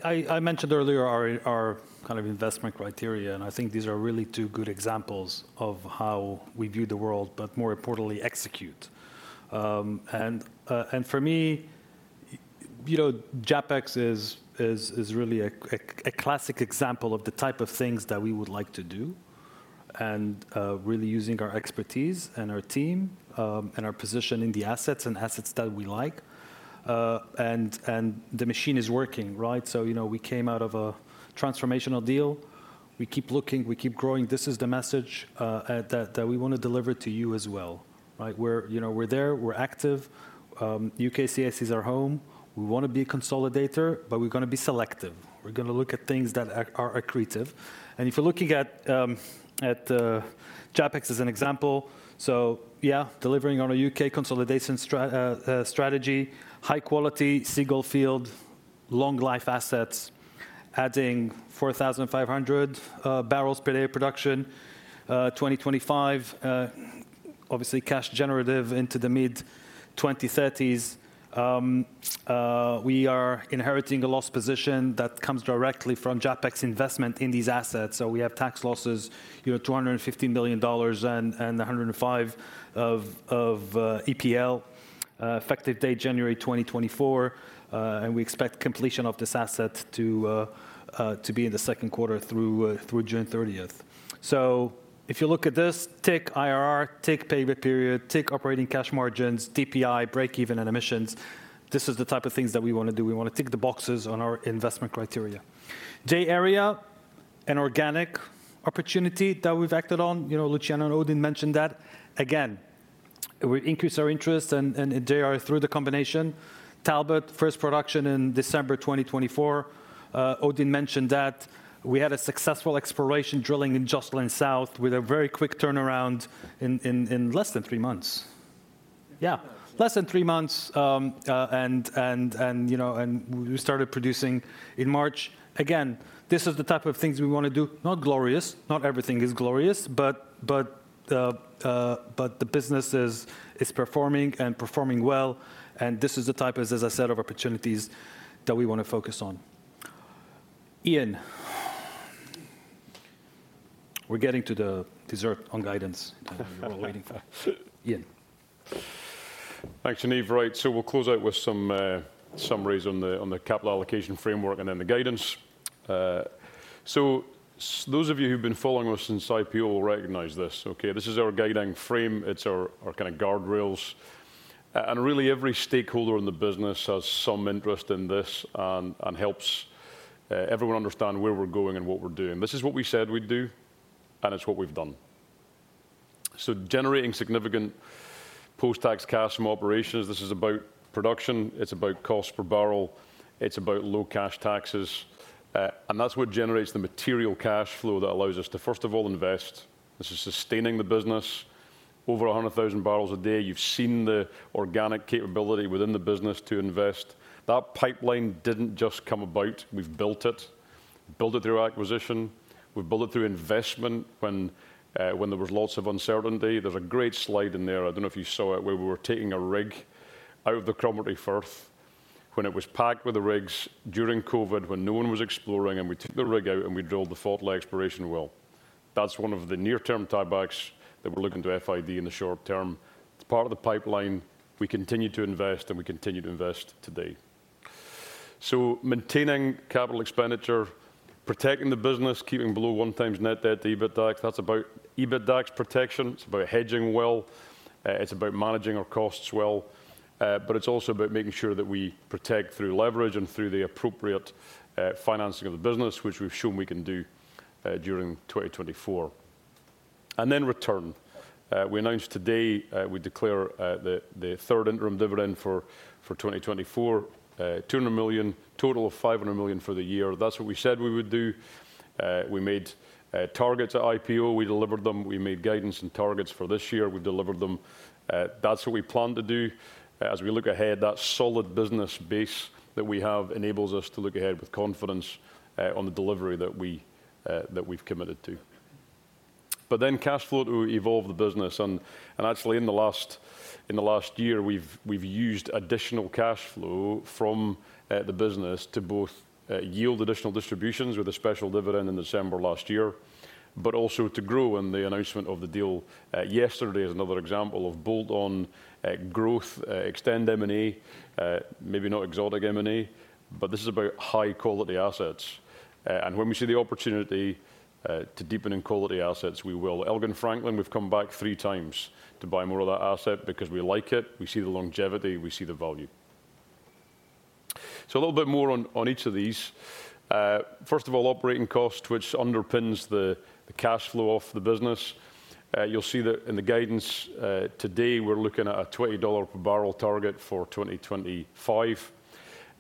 I mentioned earlier our kind of investment criteria, and I think these are really two good examples of how we view the world, but more importantly, execute. For me, JAPEX is really a classic example of the type of things that we would like to do and really using our expertise and our team and our position in the assets and assets that we like. The machine is working, right? We came out of a transformational deal. We keep looking, we keep growing. This is the message that we want to deliver to you as well, right? We're there, we're active. UKCS is our home. We want to be a consolidator, but we're going to be selective. We're going to look at things that are creative. If you're looking at JAPEX as an example, yeah, delivering on a U.K. consolidation strategy, high quality, single field, long life assets, adding 4,500 barrels per day of production, 2025, obviously cash generative into the mid-2030s. We are inheriting a loss position that comes directly from JAPEX investment in these assets. We have tax losses of $250 million and 105 of EPL, effective date January 2024. We expect completion of this asset to be in the second quarter through June 30. If you look at this, tick IRR, tick payback period, tick operating cash margins, DPI, break even, and emissions, this is the type of things that we want to do. We want to tick the boxes on our investment criteria. J Area, an organic opportunity that we've acted on. Luciano and Odin mentioned that. Again, we increase our interest in J Area through the combination. Talbot, first production in December 2024. Odin mentioned that we had a successful exploration drilling in Jocelyn South with a very quick turnaround in less than three months. Yeah, less than three months. We started producing in March. This is the type of things we want to do. Not glorious. Not everything is glorious, but the business is performing and performing well. This is the type of, as I said, opportunities that we want to focus on. Iain, we're getting to the dessert on guidance. Iain? Thanks, Yaniv. Right. We will close out with some summaries on the capital allocation framework and then the guidance. Those of you who've been following us since IPO will recognize this. Okay? This is our guiding frame. It's our kind of guardrails. Really, every stakeholder in the business has some interest in this and helps everyone understand where we're going and what we're doing. This is what we said we'd do, and it's what we've done. Generating significant post-tax cash from operations, this is about production. It's about cost per barrel. It's about low cash taxes. That's what generates the material cash flow that allows us to, first of all, invest. This is sustaining the business. Over 100,000 barrels a day. You've seen the organic capability within the business to invest. That pipeline didn't just come about. We've built it. We built it through acquisition. We built it through investment when there was lots of uncertainty. There's a great slide in there. I don't know if you saw it where we were taking a rig out of the Cromarty Firth when it was packed with the rigs during COVID when no one was exploring, and we took the rig out and we drilled the Fort Leigh Exploration Well. That's one of the near-term tiebacks that we're looking to FID in the short term. It's part of the pipeline. We continue to invest, and we continue to invest today. Maintaining capital expenditure, protecting the business, keeping below one times net debt to EBITDAX, that's about EBITDAX protection. It's about hedging well. It's about managing our costs well. It's also about making sure that we protect through leverage and through the appropriate financing of the business, which we've shown we can do during 2024. Return. We announced today we declare the third interim dividend for 2024, $200 million, total of $500 million for the year. That's what we said we would do. We made targets at IPO. We delivered them. We made guidance and targets for this year. We delivered them. That's what we plan to do. As we look ahead, that solid business base that we have enables us to look ahead with confidence on the delivery that we've committed to. Cash flow to evolve the business. Actually, in the last year, we've used additional cash flow from the business to both yield additional distributions with a special dividend in December last year, but also to grow in the announcement of the deal. Yesterday is another example of bolt-on growth, extend M&A, maybe not exotic M&A, but this is about high-quality assets. When we see the opportunity to deepen in quality assets, we will. Elgin Franklin, we've come back three times to buy more of that asset because we like it. We see the longevity. We see the value. A little bit more on each of these. First of all, operating cost, which underpins the cash flow of the business. You'll see that in the guidance today, we're looking at a $20 per barrel target for 2025.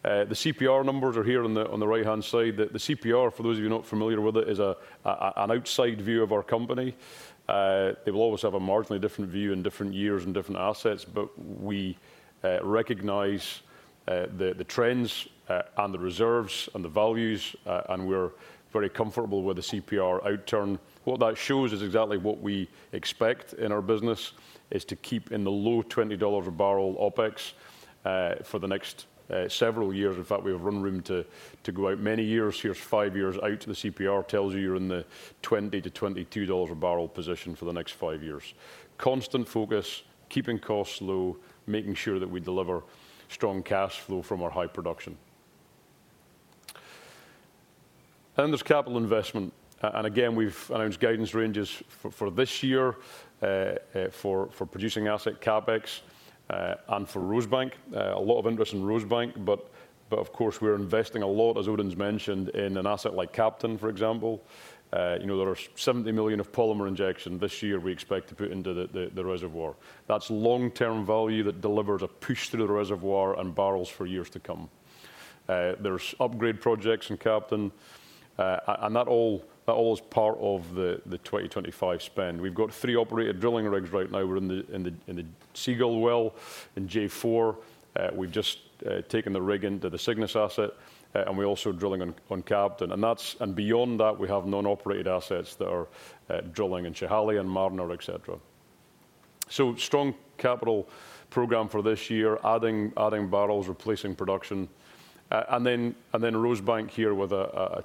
The CPR numbers are here on the right-hand side. The CPR, for those of you not familiar with it, is an outside view of our company. They will always have a marginally different view in different years and different assets, but we recognize the trends and the reserves and the values, and we're very comfortable with the CPR outturn. What that shows is exactly what we expect in our business is to keep in the low $20 a barrel OpEx for the next several years. In fact, we have run room to go out many years. Here's five years out. The CPR tells you you're in the $20-$22 a barrel position for the next five years. Constant focus, keeping costs low, making sure that we deliver strong cash flow from our high production. There is capital investment. Again, we've announced guidance ranges for this year for producing asset CapEx and for Rosebank. A lot of interest in Rosebank, but of course, we're investing a lot, as Odin's mentioned, in an asset like Captain, for example. There are $70 million of polymer injection. This year, we expect to put into the reservoir. That's long-term value that delivers a push through the reservoir and barrels for years to come. There are upgrade projects in Captain, and that all is part of the 2025 spend. We have three operated drilling rigs right now. We are in the Seagull well in J4. We have just taken the rig into the Cygnus asset, and we are also drilling on Captain. Beyond that, we have non-operated assets that are drilling in Chihale and Marner, etc. Strong capital program for this year, adding barrels, replacing production. Rosebank here with a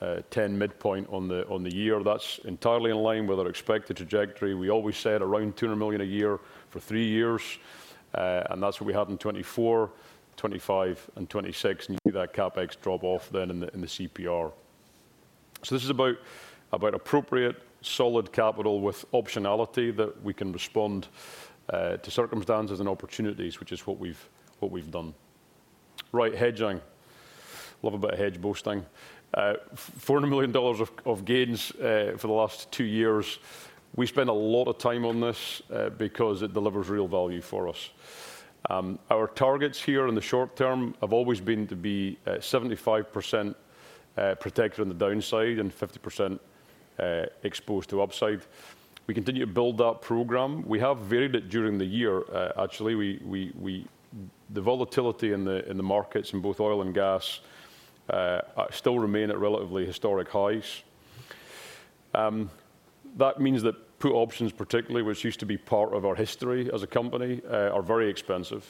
210 midpoint on the year. That is entirely in line with our expected trajectory. We always said around $200 million a year for three years, and that is what we had in 2024, 2025, and 2026. You see that CapEx drop off then in the CPR. This is about appropriate, solid capital with optionality that we can respond to circumstances and opportunities, which is what we've done. Right, hedging. Love a bit of hedge boosting. $400 million of gains for the last two years. We spend a lot of time on this because it delivers real value for us. Our targets here in the short term have always been to be 75% protected on the downside and 50% exposed to upside. We continue to build that program. We have varied it during the year, actually. The volatility in the markets in both oil and gas still remain at relatively historic highs. That means that put options, particularly which used to be part of our history as a company, are very expensive.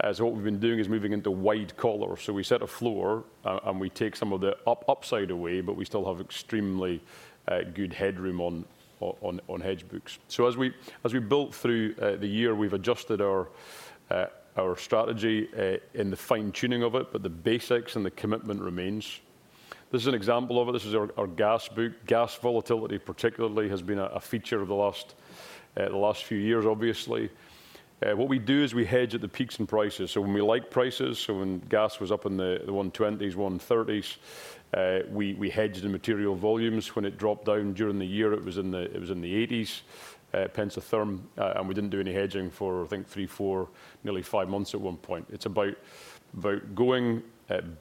What we've been doing is moving into wide collars. We set a floor and we take some of the upside away, but we still have extremely good headroom on hedge books. As we built through the year, we've adjusted our strategy in the fine-tuning of it, but the basics and the commitment remains. This is an example of it. This is our gas book. Gas volatility, particularly, has been a feature of the last few years, obviously. What we do is we hedge at the peaks in prices. When we like prices, so when gas was up in the 120s, 130s, we hedged in material volumes. When it dropped down during the year, it was in the 80s, pence a therm. We didn't do any hedging for, I think, three, four, nearly five months at one point. It's about going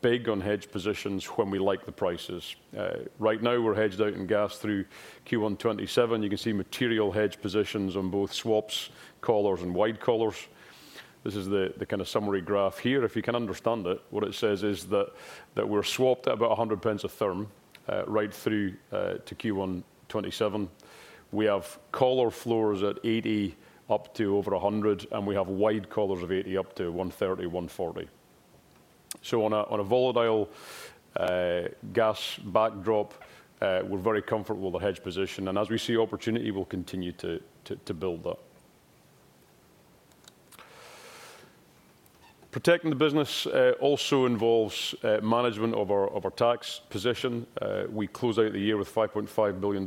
big on hedge positions when we like the prices. Right now, we're hedged out in gas through Q1 2027. You can see material hedge positions on both swaps, collars, and wide collars. This is the kind of summary graph here. If you can understand it, what it says is that we're swapped at about 1.00 a therm right through to Q1 2027. We have collar floors at 0.80 up to over 1.00, and we have wide collars of 0.80 up to 1.30-1.40. On a volatile gas backdrop, we're very comfortable with the hedge position. As we see opportunity, we'll continue to build that. Protecting the business also involves management of our tax position. We close out the year with $5.5 billion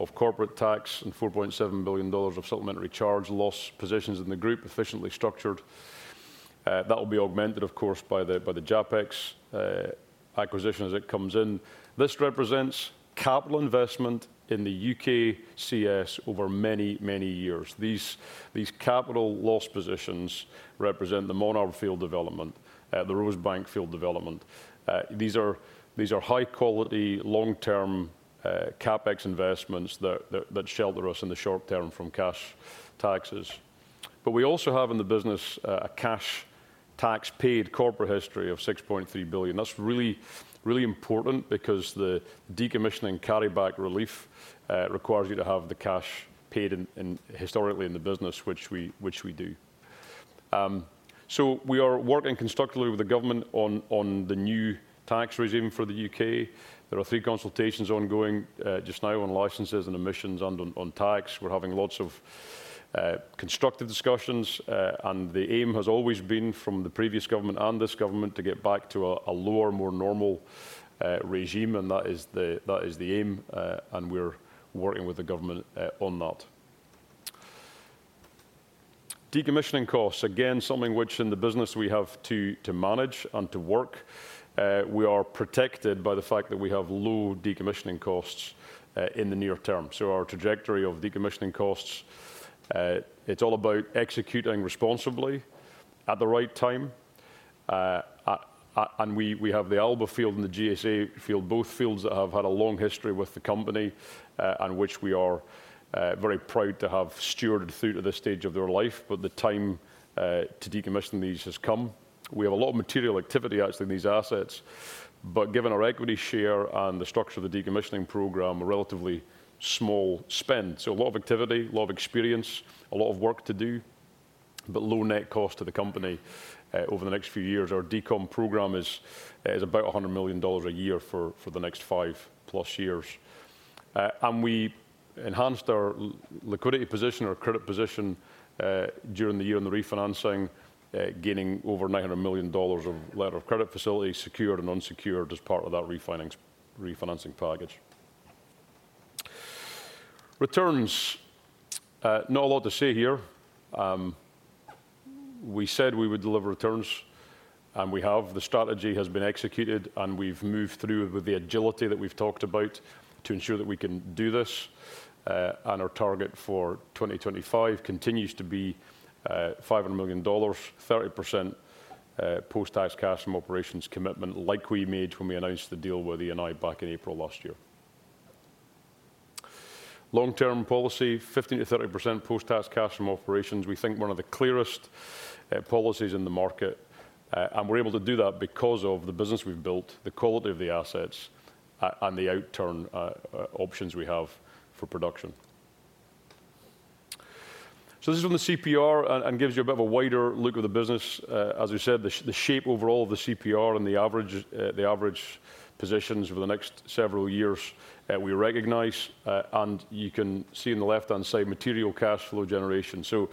of corporate tax and $4.7 billion of supplementary charge loss positions in the group, efficiently structured. That will be augmented, of course, by the JAPEX acquisition as it comes in. This represents capital investment in the UKCS over many, many years. These capital loss positions represent the Monarch Field Development, the Rosebank Field Development. These are high-quality, long-term CapEx investments that shelter us in the short term from cash taxes. We also have in the business a cash tax-paid corporate history of $6.3 billion. That's really important because the decommissioning carryback relief requires you to have the cash paid historically in the business, which we do. We are working constructively with the government on the new tax regime for the U.K. There are three consultations ongoing just now on licenses and emissions and on tax. We're having lots of constructive discussions. The aim has always been from the previous government and this government to get back to a lower, more normal regime. That is the aim. We're working with the government on that. Decommissioning costs, again, something which in the business we have to manage and to work. We are protected by the fact that we have low decommissioning costs in the near term. Our trajectory of decommissioning costs, it's all about executing responsibly at the right time. We have the Alba field and the GSA field, both fields that have had a long history with the company and which we are very proud to have stewarded through to this stage of their life. The time to decommission these has come. We have a lot of material activity, actually, in these assets. Given our equity share and the structure of the decommissioning program, a relatively small spend. A lot of activity, a lot of experience, a lot of work to do, but low net cost to the company over the next few years. Our decom program is about $100 million a year for the next five plus years. We enhanced our liquidity position, our credit position during the year in the refinancing, gaining over $900 million of letter of credit facility secured and unsecured as part of that refinancing package. Returns, not a lot to say here. We said we would deliver returns. We have. The strategy has been executed, and we have moved through with the agility that we have talked about to ensure that we can do this. Our target for 2025 continues to be $500 million, 30% post-tax cash from operations commitment like we made when we announced the deal with Eni back in April last year. Long-term policy, 15%-30% post-tax cash from operations. We think one of the clearest policies in the market. We're able to do that because of the business we've built, the quality of the assets, and the outturn options we have for production. This is on the CPR and gives you a bit of a wider look at the business. As we said, the shape overall of the CPR and the average positions for the next several years we recognize. You can see on the left-hand side material cash flow generation. The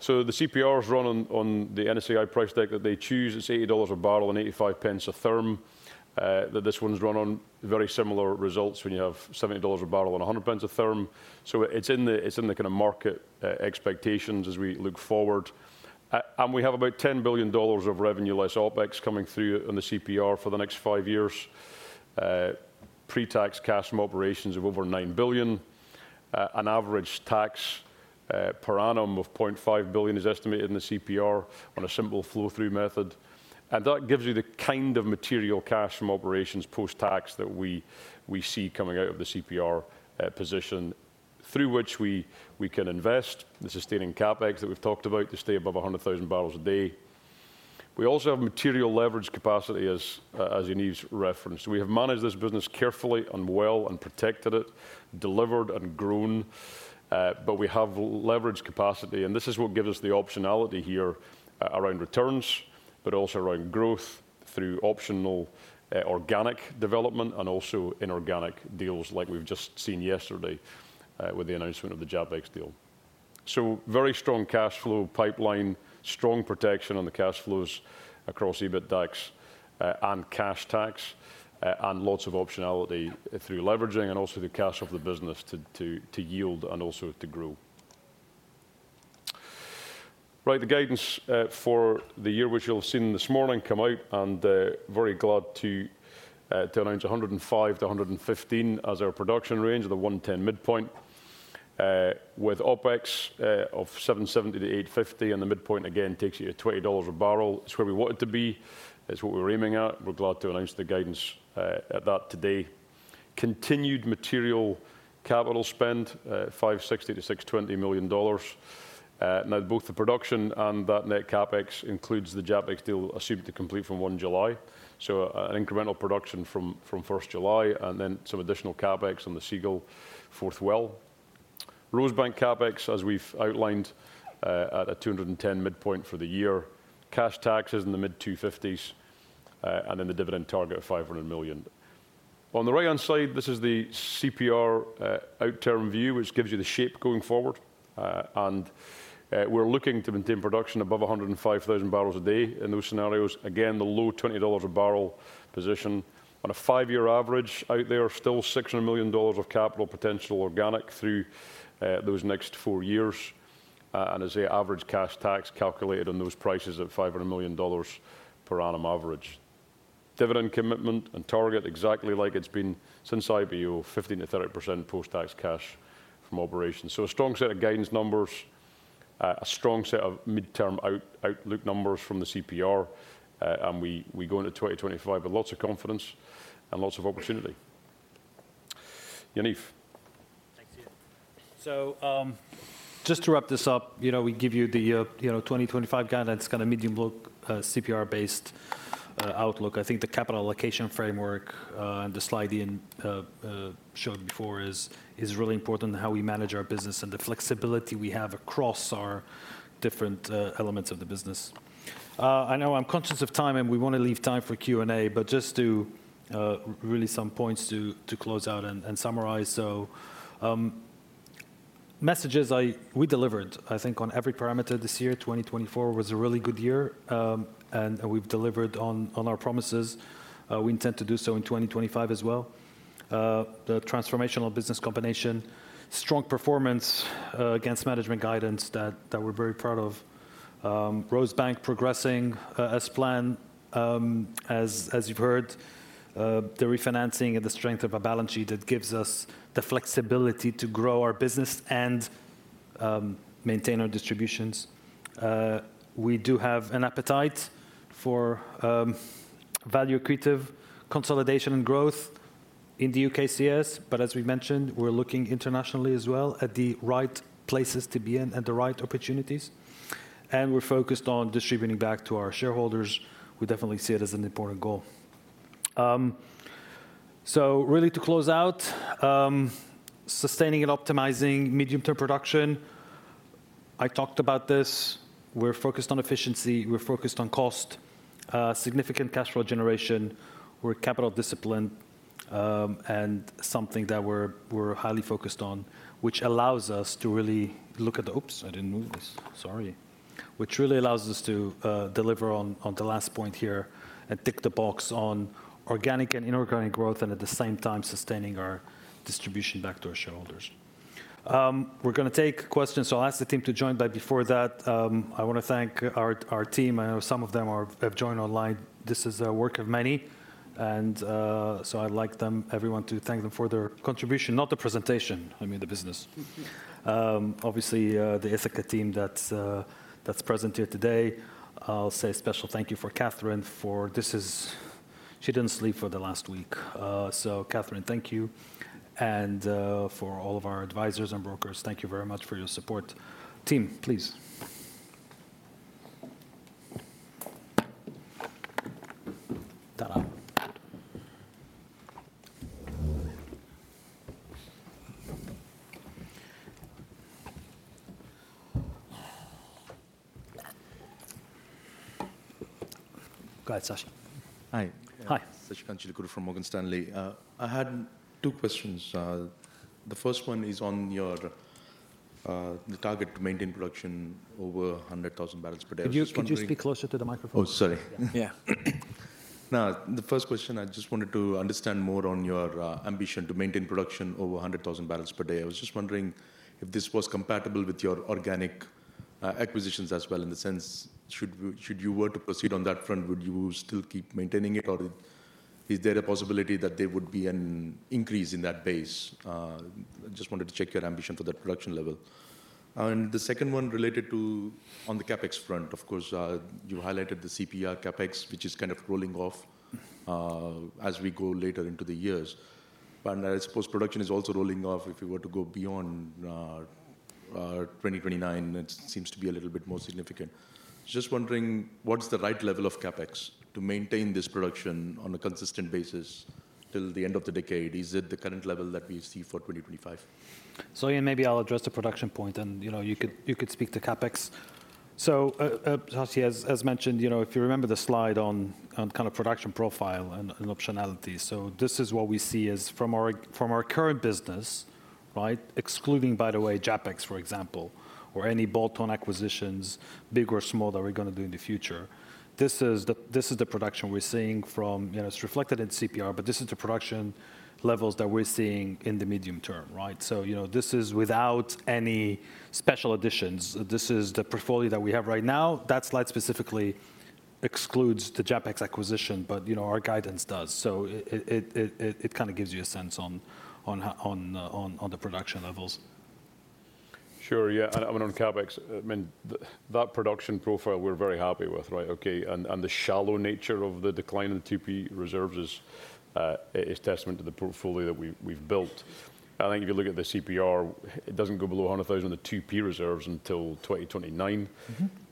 CPR is run on the NSAI price tag that they choose. It's $80 a barrel and 0.85 a therm that this one's run on. Very similar results when you have $70 a barrel and 1.00 a therm. It's in the kind of market expectations as we look forward. We have about $10 billion of revenue less OpEx coming through on the CPR for the next five years. Pretax cash from operations of over $9 billion. An average tax per annum of $0.5 billion is estimated in the CPR on a simple flow-through method. That gives you the kind of material cash from operations post-tax that we see coming out of the CPR position through which we can invest, the sustaining CapEx that we've talked about to stay above 100,000 barrels a day. We also have material leverage capacity as Yaniv's referenced. We have managed this business carefully and well and protected it, delivered and grown. We have leverage capacity. This is what gives us the optionality here around returns, but also around growth through optional organic development and also inorganic deals like we've just seen yesterday with the announcement of the JAPEX deal. Very strong cash flow pipeline, strong protection on the cash flows across EBITDAX and cash tax, and lots of optionality through leveraging and also the cash of the business to yield and also to grow. Right, the guidance for the year, which you'll have seen this morning come out, and very glad to announce 105-115 as our production range, the 110 midpoint with OpEx of $770-$850, and the midpoint again takes you to $20 a barrel. It's where we want it to be. It's what we're aiming at. We're glad to announce the guidance at that today. Continued material capital spend, $560-$620 million. Now, both the production and that net CapEx includes the JAPEX deal assumed to complete from 1 July. So an incremental production from 1 July, and then some additional CapEx on the Seagull Fourth Well. Rosebank CapEx, as we've outlined, at a $210 million midpoint for the year, cash taxes in the mid-$250 million, and then the dividend target of $500 million. On the right-hand side, this is the CPR outturn view, which gives you the shape going forward. We are looking to maintain production above 105,000 barrels a day in those scenarios. Again, the low $20 a barrel position. On a five-year average out there, still $600 million of capital potential organic through those next four years. As an average cash tax calculated on those prices at $500 million per annum average. Dividend commitment and target exactly like it's been since IPO, 15%-30% post-tax cash from operations. A strong set of guidance numbers, a strong set of midterm outlook numbers from the CPR, and we go into 2025 with lots of confidence and lots of opportunity. Yaniv. Thanks, Iain. Just to wrap this up, we give you the 2025 guidance, kind of medium-look CPR-based outlook. I think the capital allocation framework and the slide you showed before is really important in how we manage our business and the flexibility we have across our different elements of the business. I know I'm conscious of time and we want to leave time for Q&A, but just to really some points to close out and summarize. Messages we delivered, I think, on every parameter this year, 2024 was a really good year. We've delivered on our promises. We intend to do so in 2025 as well. The transformational business combination, strong performance against management guidance that we're very proud of. Rosebank progressing as planned, as you've heard, the refinancing and the strength of a balance sheet that gives us the flexibility to grow our business and maintain our distributions. We do have an appetite for value accretive, consolidation, and growth in the UKCS. As we mentioned, we're looking internationally as well at the right places to be in and the right opportunities. We're focused on distributing back to our shareholders. We definitely see it as an important goal. Really to close out, sustaining and optimizing medium-term production. I talked about this. We're focused on efficiency. We're focused on cost, significant cash flow generation. We're capital disciplined and something that we're highly focused on, which allows us to really look at the oops, I didn't move this. Sorry. Which really allows us to deliver on the last point here and tick the box on organic and inorganic growth and at the same time sustaining our distribution back to our shareholders. We're going to take questions. I'll ask the team to join. Before that, I want to thank our team. I know some of them have joined online. This is the work of many. I would like everyone to thank them for their contribution, not the presentation. I mean the business. Obviously, the Ithaca team that's present here today. I'll say a special thank you for Catherine for this as she didn't sleep for the last week. So Catherine, thank you. And for all of our advisors and brokers, thank you very much for your support. Team, please. Go ahead, Saikrishna. Hi. Hi. Saikrishna Tuduru from Morgan Stanley. I had two questions. The first one is on the target to maintain production over 100,000 barrels per day. Could you speak closer to the microphone? Oh, sorry. Yeah. Now, the first question, I just wanted to understand more on your ambition to maintain production over 100,000 barrels per day. I was just wondering if this was compatible with your organic acquisitions as well in the sense should you were to proceed on that front, would you still keep maintaining it? Is there a possibility that there would be an increase in that base? I just wanted to check your ambition for that production level. The second one related to on the CapEx front, of course, you highlighted the CPR CapEx, which is kind of rolling off as we go later into the years. I suppose production is also rolling off if you were to go beyond 2029. It seems to be a little bit more significant. Just wondering, what's the right level of CapEx to maintain this production on a consistent basis till the end of the decade? Is it the current level that we see for 2025? Iain, maybe I'll address the production point and you could speak to CapEx. Saikrishna, as mentioned, if you remember the slide on kind of production profile and optionality. This is what we see is from our current business, excluding, by the way, JAPEX, for example, or any bolt-on acquisitions, big or small, that we're going to do in the future. This is the production we're seeing from it's reflected in CPR, but this is the production levels that we're seeing in the medium term. This is without any special additions. This is the portfolio that we have right now. That slide specifically excludes the JAPEX acquisition, but our guidance does. It kind of gives you a sense on the production levels. Sure, yeah. I mean, on CapEx, I mean, that production profile we're very happy with, right? Okay. The shallow nature of the decline in the 2P reserves is testament to the portfolio that we've built. I think if you look at the CPR, it does not go below 100,000 of the 2P reserves until 2029.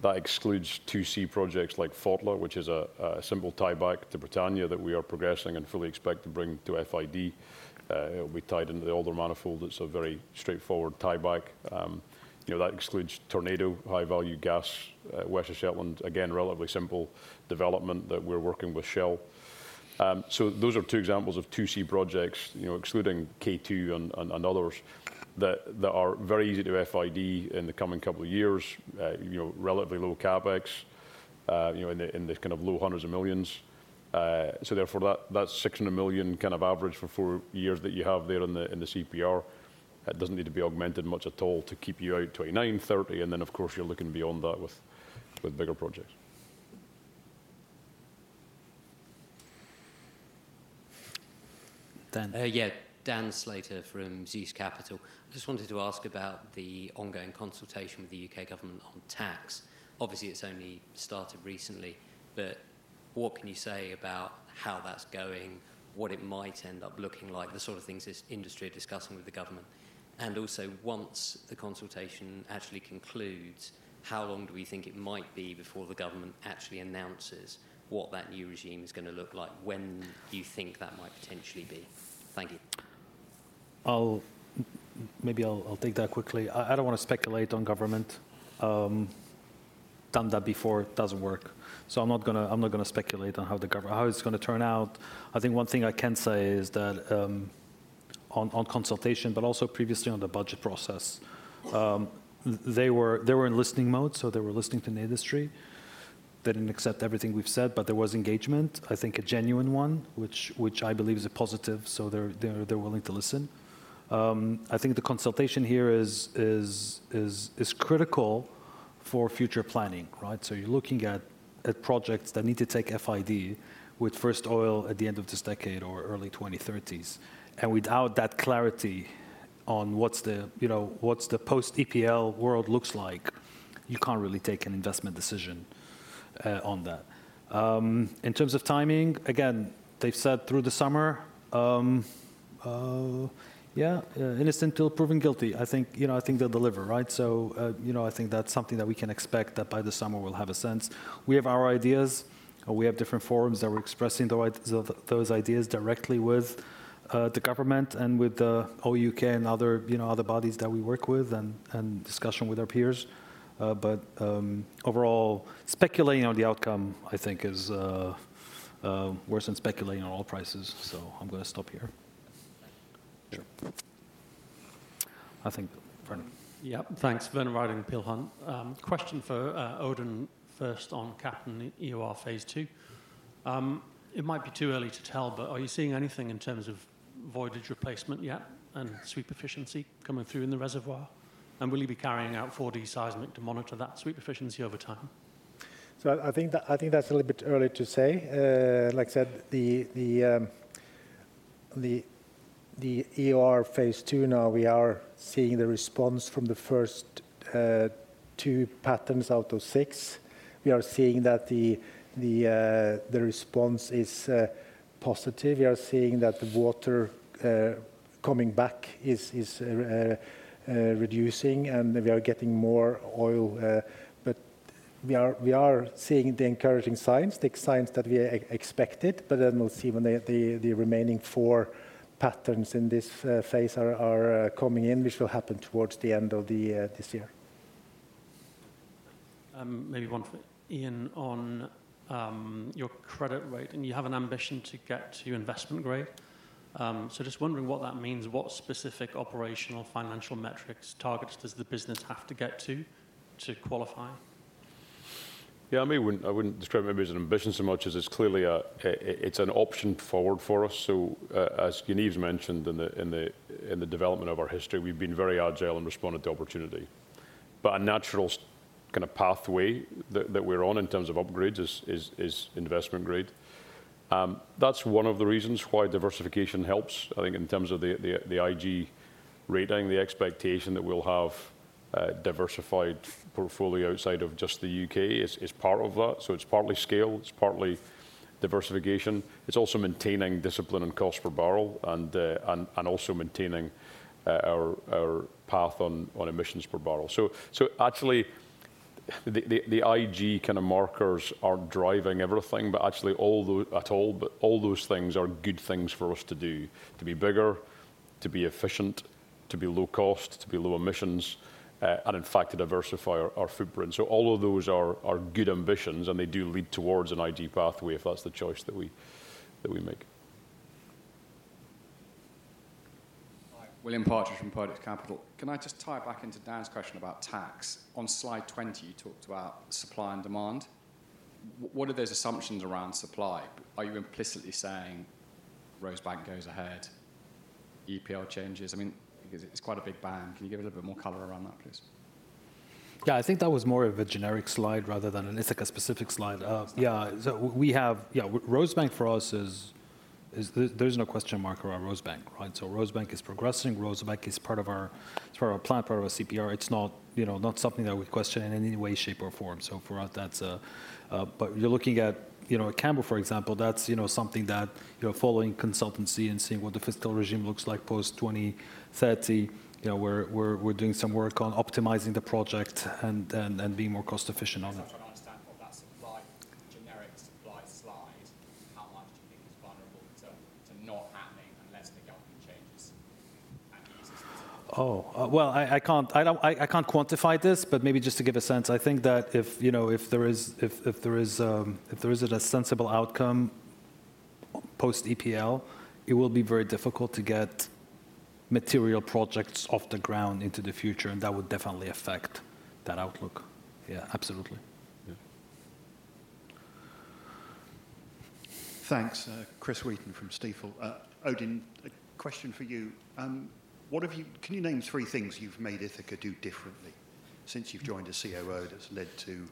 That excludes 2C projects like Fothler, which is a simple tieback to Britannia that we are progressing and fully expect to bring to FID. It will be tied into the Alder manifold. It is a very straightforward tieback. That excludes Tornado, high-value gas, West Shetland. Again, relatively simple development that we are working with Shell. Those are two examples of 2C projects, excluding K2 and others, that are very easy to FID in the coming couple of years, relatively low CapEx in the kind of low hundreds of millions. Therefore, that $600 million kind of average for four years that you have there in the CPR, it does not need to be augmented much at all to keep you out 2029, 2030. Of course, you are looking beyond that with bigger projects. Dan. Yeah, Dan Slater from Zeus Capital. I just wanted to ask about the ongoing consultation with the U.K. government on tax. Obviously, it has only started recently, but what can you say about how that is going, what it might end up looking like, the sort of things this industry are discussing with the government? Also, once the consultation actually concludes, how long do we think it might be before the government actually announces what that new regime is going to look like? When do you think that might potentially be? Thank you. Maybe I will take that quickly. I do not want to speculate on government. Done that before, doesn't work. I'm not going to speculate on how it's going to turn out. I think one thing I can say is that on consultation, but also previously on the budget process, they were in listening mode. They were listening to the industry. They didn't accept everything we've said, but there was engagement, I think a genuine one, which I believe is a positive. They're willing to listen. I think the consultation here is critical for future planning. You're looking at projects that need to take FID with first oil at the end of this decade or early 2030s. Without that clarity on what the post-EPL world looks like, you can't really take an investment decision on that. In terms of timing, again, they've said through the summer, yeah, innocent till proving guilty. I think they'll deliver. I think that's something that we can expect that by the summer we'll have a sense. We have our ideas. We have different forums that we're expressing those ideas directly with the government and with the OU.K. and other bodies that we work with in discussion with our peers. Overall, speculating on the outcome, I think, is worse than speculating on oil prices. I'm going to stop here. Sure. I think, Fern. Yep. Thanks. Fern Wright and Pilhon. Question for Odin first on Cap and EOR Phase II. It might be too early to tell, but are you seeing anything in terms of voyage replacement yet and sweep efficiency coming through in the reservoir? Will you be carrying out 4D seismic to monitor that sweep efficiency over time? I think that's a little bit early to say. Like I said, the EOR Phase II, now we are seeing the response from the first two patterns out of six. We are seeing that the response is positive. We are seeing that the water coming back is reducing and we are getting more oil. We are seeing the encouraging signs, the signs that we expected. We will see when the remaining four patterns in this phase are coming in, which will happen towards the end of this year. Maybe one for Iain on your credit rate. You have an ambition to get to investment grade. Just wondering what that means, what specific operational financial metrics, targets does the business have to get to to qualify? Yeah, I mean, I would not describe it maybe as an ambition so much as it is clearly an option forward for us. As Yaniv's mentioned in the development of our history, we've been very agile and responded to opportunity. A natural kind of pathway that we're on in terms of upgrades is investment grade. That's one of the reasons why diversification helps. I think in terms of the IG rating, the expectation that we'll have a diversified portfolio outside of just the U.K. is part of that. It's partly scale, it's partly diversification. It's also maintaining discipline and cost per barrel and also maintaining our path on emissions per barrel. Actually, the IG kind of markers aren't driving everything, but all those things are good things for us to do, to be bigger, to be efficient, to be low cost, to be low emissions, and in fact, to diversify our footprint. All of those are good ambitions and they do lead towards an IG pathway if that's the choice that we make. William Partridge from Perdix Capital. Can I just tie back into Dan's question about tax? On slide 20, you talked about supply and demand. What are those assumptions around supply? Are you implicitly saying Rosebank goes ahead, EPL changes? I mean, because it's quite a big band. Can you give a little bit more color around that, please? Yeah, I think that was more of a generic slide rather than an Ithaca specific slide. Yeah. We have, yeah, Rosebank for us is there's no question mark around Rosebank. Rosebank is progressing. Rosebank is part of our plan, part of our CPR. It's not something that we question in any way, shape, or form. For us, that's a but you're looking at Canberra, for example, that's something that following consultancy and seeing what the fiscal regime looks like post 2030, we're doing some work on optimizing the project and being more cost-efficient on it. That's what I understand from that supply, generic supply slide. How much do you think is vulnerable to not happening unless the government changes and eases this out? I can't quantify this, but maybe just to give a sense, I think that if there is a sensible outcome post EPL, it will be very difficult to get material projects off the ground into the future. That would definitely affect that outlook. Yeah, absolutely. Thanks. Chris Wheaton from Stifel. Odin, a question for you. Can you name three things you've made Ithaca do differently since you've joined as COO that's led to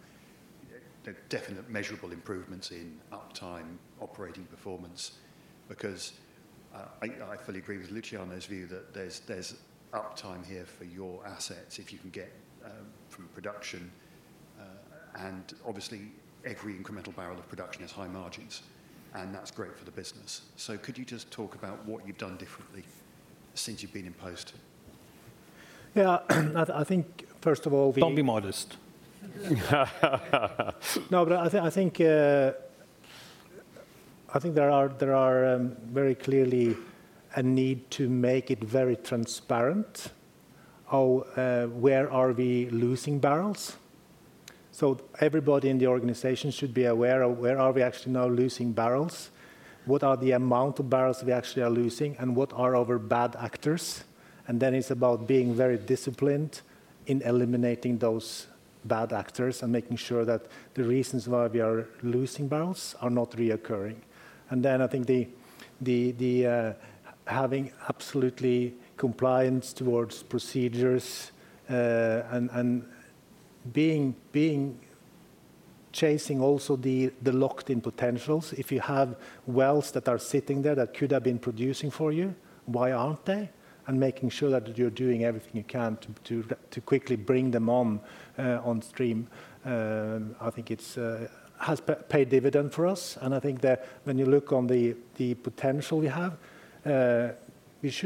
definite measurable improvements in uptime, operating performance? I fully agree with Luciano's view that there's uptime here for your assets if you can get from production. Obviously, every incremental barrel of production has high margins. That's great for the business. Could you just talk about what you've done differently since you've been in post? Yeah, I think, first of all, we— Don't be modest. No, but I think there are very clearly a need to make it very transparent of where are we losing barrels. Everybody in the organization should be aware of where are we actually now losing barrels, what are the amount of barrels we actually are losing, and what are our bad actors. It is about being very disciplined in eliminating those bad actors and making sure that the reasons why we are losing barrels are not reoccurring. I think having absolutely compliance towards procedures and chasing also the locked-in potentials. If you have wells that are sitting there that could have been producing for you, why are not they? Making sure that you are doing everything you can to quickly bring them on stream. I think it has paid dividend for us. I think that when you look on the potential we have, there is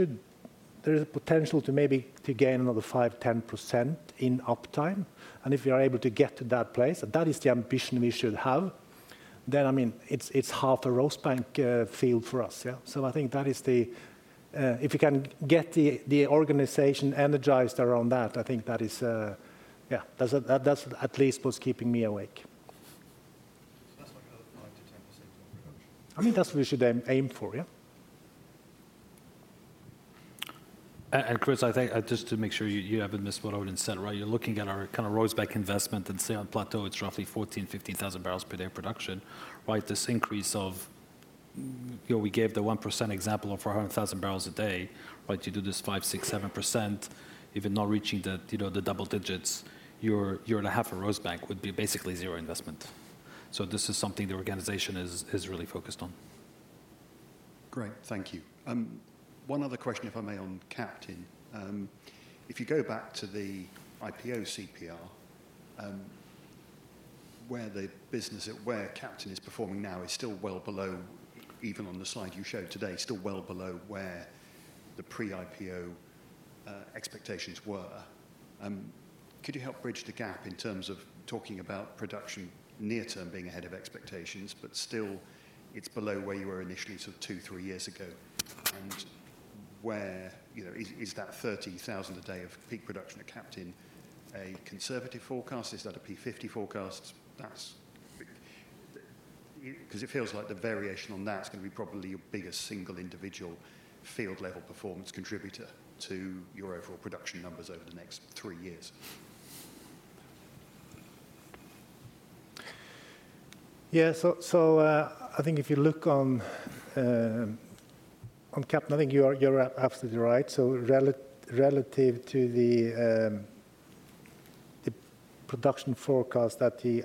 a potential to maybe gain another 5-10% in uptime. If we are able to get to that place, that is the ambition we should have. I mean, it is half a Rosebank field for us. I think that is the if you can get the organization energized around that, I think that is, yeah, that's at least what's keeping me awake. That's like another 5-10% more production. I mean, that's what we should aim for, yeah. And Chris, I think just to make sure you haven't missed what Odin said, right? You're looking at our kind of Rosebank investment and say on plateau, it's roughly 14,000-15,000 barrels per day of production, right? This increase of, you know, we gave the 1% example of 400,000 barrels a day, right? You do this 5, 6, 7%, even not reaching the double digits, you're at a half a Rosebank would be basically zero investment. This is something the organization is really focused on. Great. Thank you. One other question, if I may, on Captain. If you go back to the IPO CPR, where the business at where Captain is performing now is still well below, even on the slide you showed today, still well below where the pre-IPO expectations were. Could you help bridge the gap in terms of talking about production near-term being ahead of expectations, but still it's below where you were initially sort of two, three years ago? Is that 30,000 a day of peak production at Captain a conservative forecast? Is that a P50 forecast? Because it feels like the variation on that is going to be probably your biggest single individual field-level performance contributor to your overall production numbers over the next three years. Yeah, I think if you look on Captain, I think you're absolutely right. Relative to the production forecast at the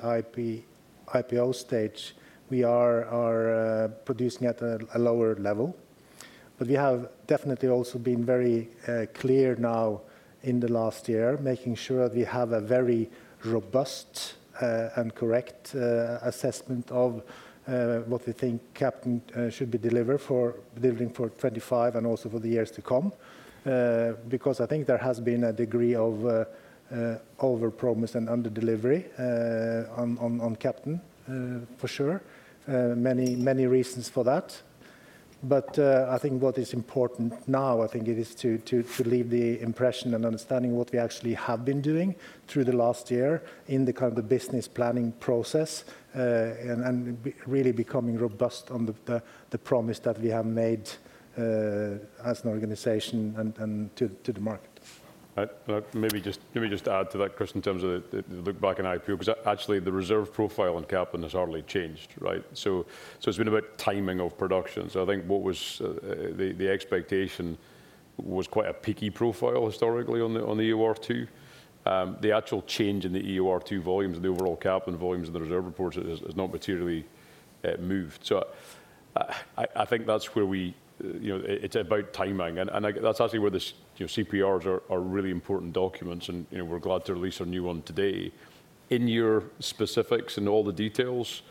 IPO stage, we are producing at a lower level. We have definitely also been very clear now in the last year, making sure that we have a very robust and correct assessment of what we think Captain should be delivering for 2025 and also for the years to come. I think there has been a degree of overpromise and under-delivery on Captain, for sure. Many reasons for that. I think what is important now is to leave the impression and understanding of what we actually have been doing through the last year in the business planning process and really becoming robust on the promise that we have made as an organization and to the market. Maybe just to add to that question in terms of the look back in IPO, because actually the reserve profile on Captain has hardly changed, right? It has been about timing of production. I think what was the expectation was quite a peaky profile historically on the EOR2. The actual change in the EOR2 volumes and the overall Captain volumes and the reserve reports has not materially moved. I think that's where we, it's about timing. That's actually where the CPRs are really important documents. We're glad to release a new one today. In your specifics and all the details,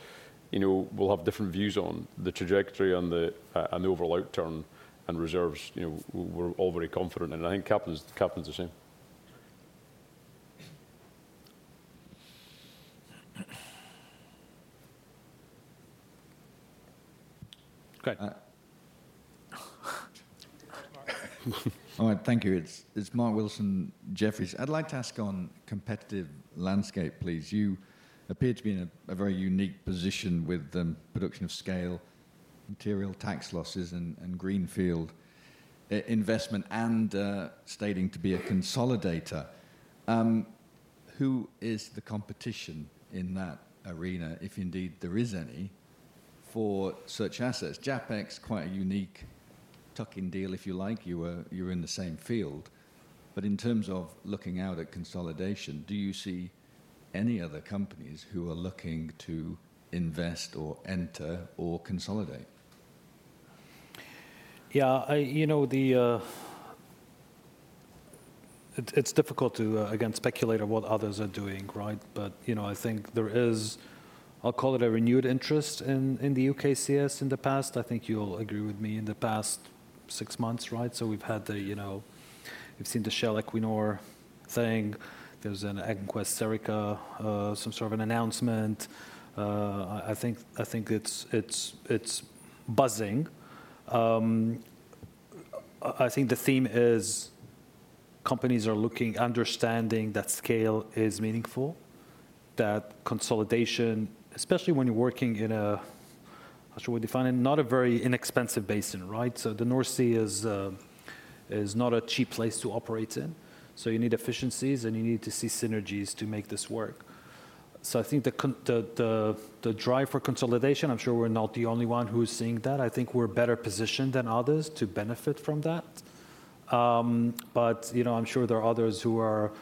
we'll have different views on the trajectory and the overall outturn and reserves. We're all very confident. I think Captain's the same. Great. All right. Thank you. It's Mark Wilson Jefferies. I'd like to ask on competitive landscape, please. You appear to be in a very unique position with the production of scale, material tax losses, and greenfield investment and stating to be a consolidator. Who is the competition in that arena, if indeed there is any, for such assets? JAPEX is quite a unique tucking deal, if you like. You were in the same field. In terms of looking out at consolidation, do you see any other companies who are looking to invest or enter or consolidate? Yeah, you know, it's difficult to, again, speculate on what others are doing, right? I think there is, I'll call it a renewed interest in the UKCS in the past. I think you'll agree with me in the past six months, right? We've had the, you know, we've seen the Shell Equinor thing. There's an EnQuest Serica, some sort of an announcement. I think it's buzzing. I think the theme is companies are looking, understanding that scale is meaningful, that consolidation, especially when you're working in a, I'm not sure what you find it, not a very inexpensive basin, right? The North Sea is not a cheap place to operate in. You need efficiencies and you need to see synergies to make this work. I think the drive for consolidation, I'm sure we're not the only one who's seeing that. I think we're better positioned than others to benefit from that. I'm sure there are others who are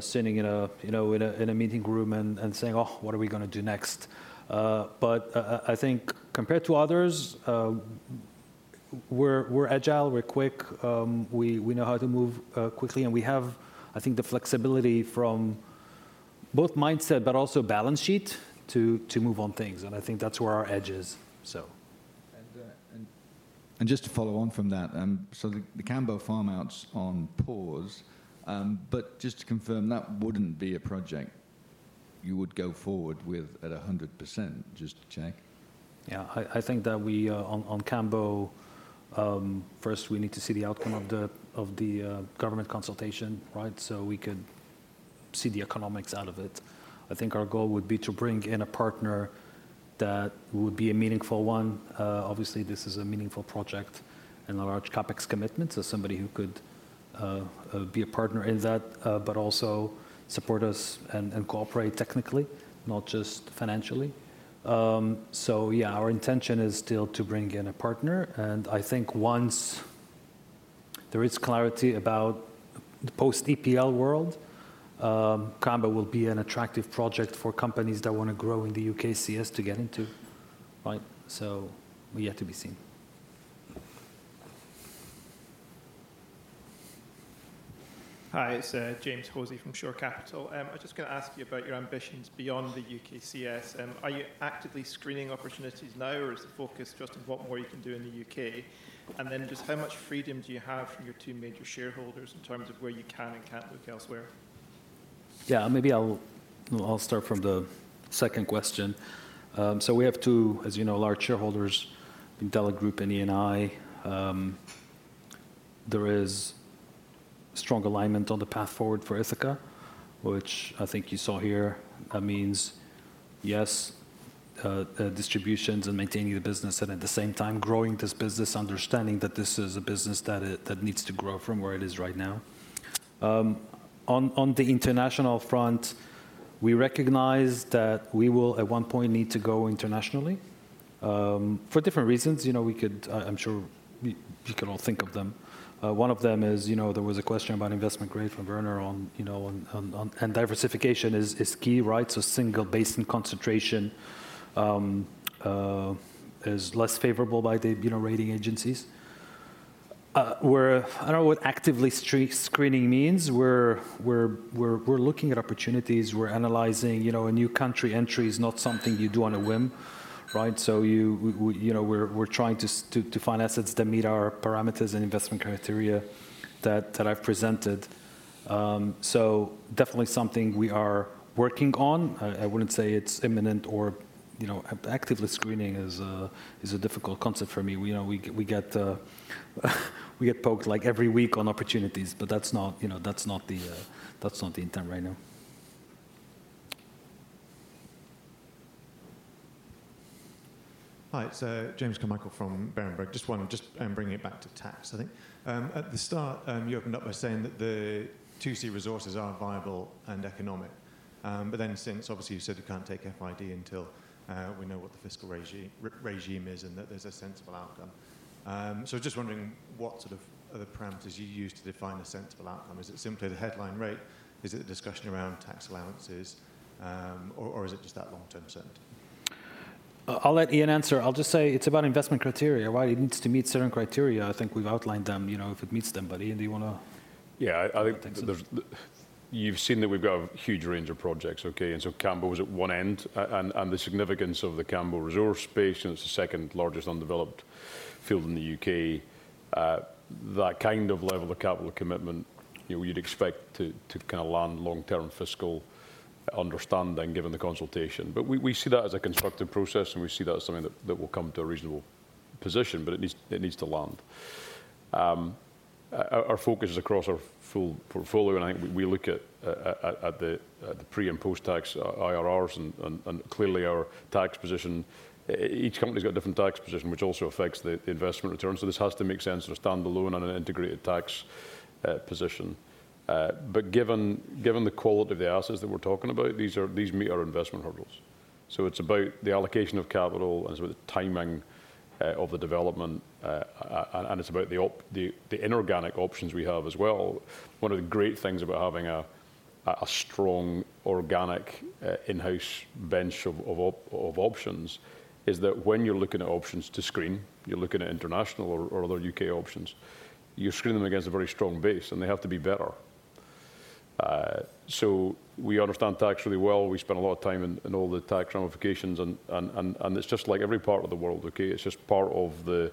sitting in a meeting room and saying, "Oh, what are we going to do next?" I think compared to others, we're agile, we're quick, we know how to move quickly, and we have, I think, the flexibility from both mindset, but also balance sheet to move on things. I think that's where our edge is. Just to follow on from that, the Canberra farm outs are on pause, but just to confirm, that would not be a project you would go forward with at 100%, just to check? I think that we on Canberra, first, we need to see the outcome of the government consultation, right? We could see the economics out of it. I think our goal would be to bring in a partner that would be a meaningful one. Obviously, this is a meaningful project and a large CapEx commitment, so somebody who could be a partner in that, but also support us and cooperate technically, not just financially. Our intention is still to bring in a partner. I think once there is clarity about the post-EPL world, Canberra will be an attractive project for companies that want to grow in the UKCS to get into, right? We have yet to see. Hi, it's James Hosie from Shore Capital. I'm just going to ask you about your ambitions beyond the UKCS. Are you actively screening opportunities now, or is the focus just on what more you can do in the U.K.? How much freedom do you have from your two major shareholders in terms of where you can and can't look elsewhere? Maybe I'll start from the second question. We have two, as you know, large shareholders, Delek Group and Eni. There is strong alignment on the path forward for Ithaca, which I think you saw here. That means, yes, distributions and maintaining the business, and at the same time growing this business, understanding that this is a business that needs to grow from where it is right now. On the international front, we recognize that we will at one point need to go internationally for different reasons. We could, I'm sure you can all think of them. One of them is there was a question about investment grade from Werner on, and diversification is key, right? Single basin concentration is less favorable by the rating agencies. I don't know what actively screening means. We're looking at opportunities. We're analyzing. A new country entry is not something you do on a whim, right? We're trying to find assets that meet our parameters and investment criteria that I've presented. Definitely something we are working on. I wouldn't say it's imminent or actively screening is a difficult concept for me. We get poked like every week on opportunities, but that's not the intent right now. Hi, so James Carmichael from Berenberg. Just wanted to just bring it back to tax, I think. At the start, you opened up by saying that the 2C resources are viable and economic. Since, obviously, you said you can't take FID until we know what the fiscal regime is and that there's a sensible outcome. Just wondering what sort of other parameters you use to define a sensible outcome. Is it simply the headline rate? Is it the discussion around tax allowances? Or is it just that long-term certainty? I'll let Iain answer. I'll just say it's about investment criteria, right? It needs to meet certain criteria. I think we've outlined them. If it meets them, buddy, do you want to? Yeah, I think you've seen that we've got a huge range of projects, okay? Canberra was at one end. The significance of the Canberra resource base, and it's the second largest undeveloped field in the U.K., that kind of level of capital commitment, you'd expect to kind of land long-term fiscal understanding given the consultation. We see that as a constructive process, and we see that as something that will come to a reasonable position, but it needs to land. Our focus is across our full portfolio, and I think we look at the pre and post-tax IRRs, and clearly our tax position, each company's got a different tax position, which also affects the investment return. This has to make sense to stand alone on an integrated tax position. Given the quality of the assets that we're talking about, these meet our investment hurdles. It is about the allocation of capital and sort of the timing of the development, and it is about the inorganic options we have as well. One of the great things about having a strong organic in-house bench of options is that when you're looking at options to screen, you're looking at international or other U.K. options, you're screening them against a very strong base, and they have to be better. We understand tax really well. We spend a lot of time in all the tax ramifications, and it is just like every part of the world, okay? It is just part of the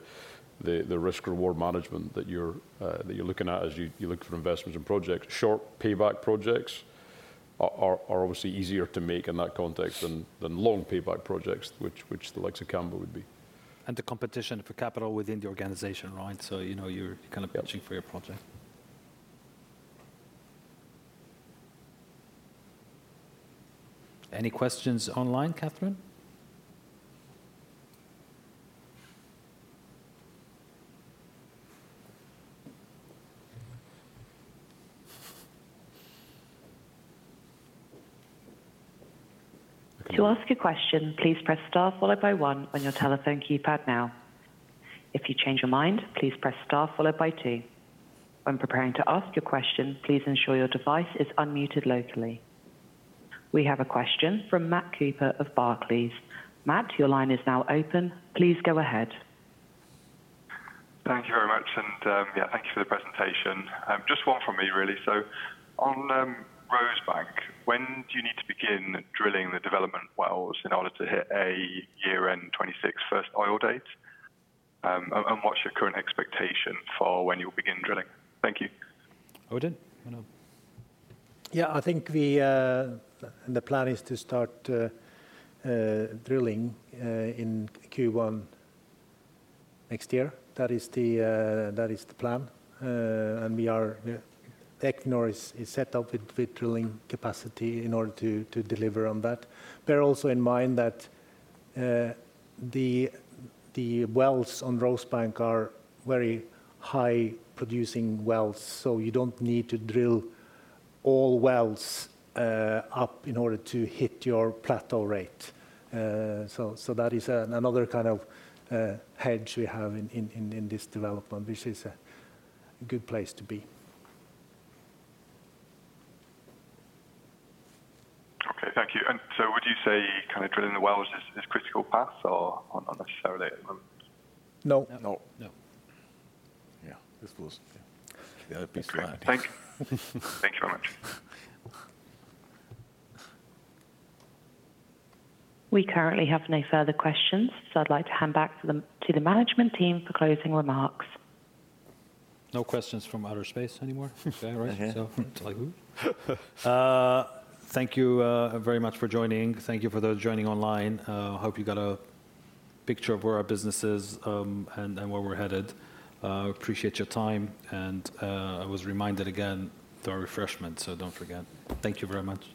risk-reward management that you're looking at as you look for investments and projects. Short payback projects are obviously easier to make in that context than long payback projects, which the likes of Canberra would be. The competition for capital within the organization, right? You are kind of pitching for your project. Any questions online, Catherine? To ask a question, please press star followed by one on your telephone keypad now. If you change your mind, please press star followed by two. When preparing to ask your question, please ensure your device is unmuted locally. We have a question from Matt Cooper of Barclays. Matt, your line is now open. Please go ahead. Thank you very much. Thank you for the presentation. Just one from me, really. On Rosebank, when do you need to begin drilling the development wells in order to hit a year-end 2026 first oil date? What is your current expectation for when you will begin drilling? Thank you. Oh, we didn't. Yeah, I think the plan is to start drilling in Q1 next year. That is the plan. And Equinor is set up with drilling capacity in order to deliver on that. Bear also in mind that the wells on Rosebank are very high-producing wells, so you don't need to drill all wells up in order to hit your plateau rate. That is another kind of hedge we have in this development, which is a good place to be. Okay, thank you. And so would you say kind of drilling the wells is a critical path or not necessarily? No. No. Yeah, this was the other piece of that. Thank you. Thank you very much. We currently have no further questions, so I'd like to hand back to the management team for closing remarks. No questions from outer space anymore. Okay, right? Thank you very much for joining. Thank you for those joining online. I hope you got a picture of where our business is and where we're headed. Appreciate your time. I was reminded again through our refreshment, so do not forget. Thank you very much.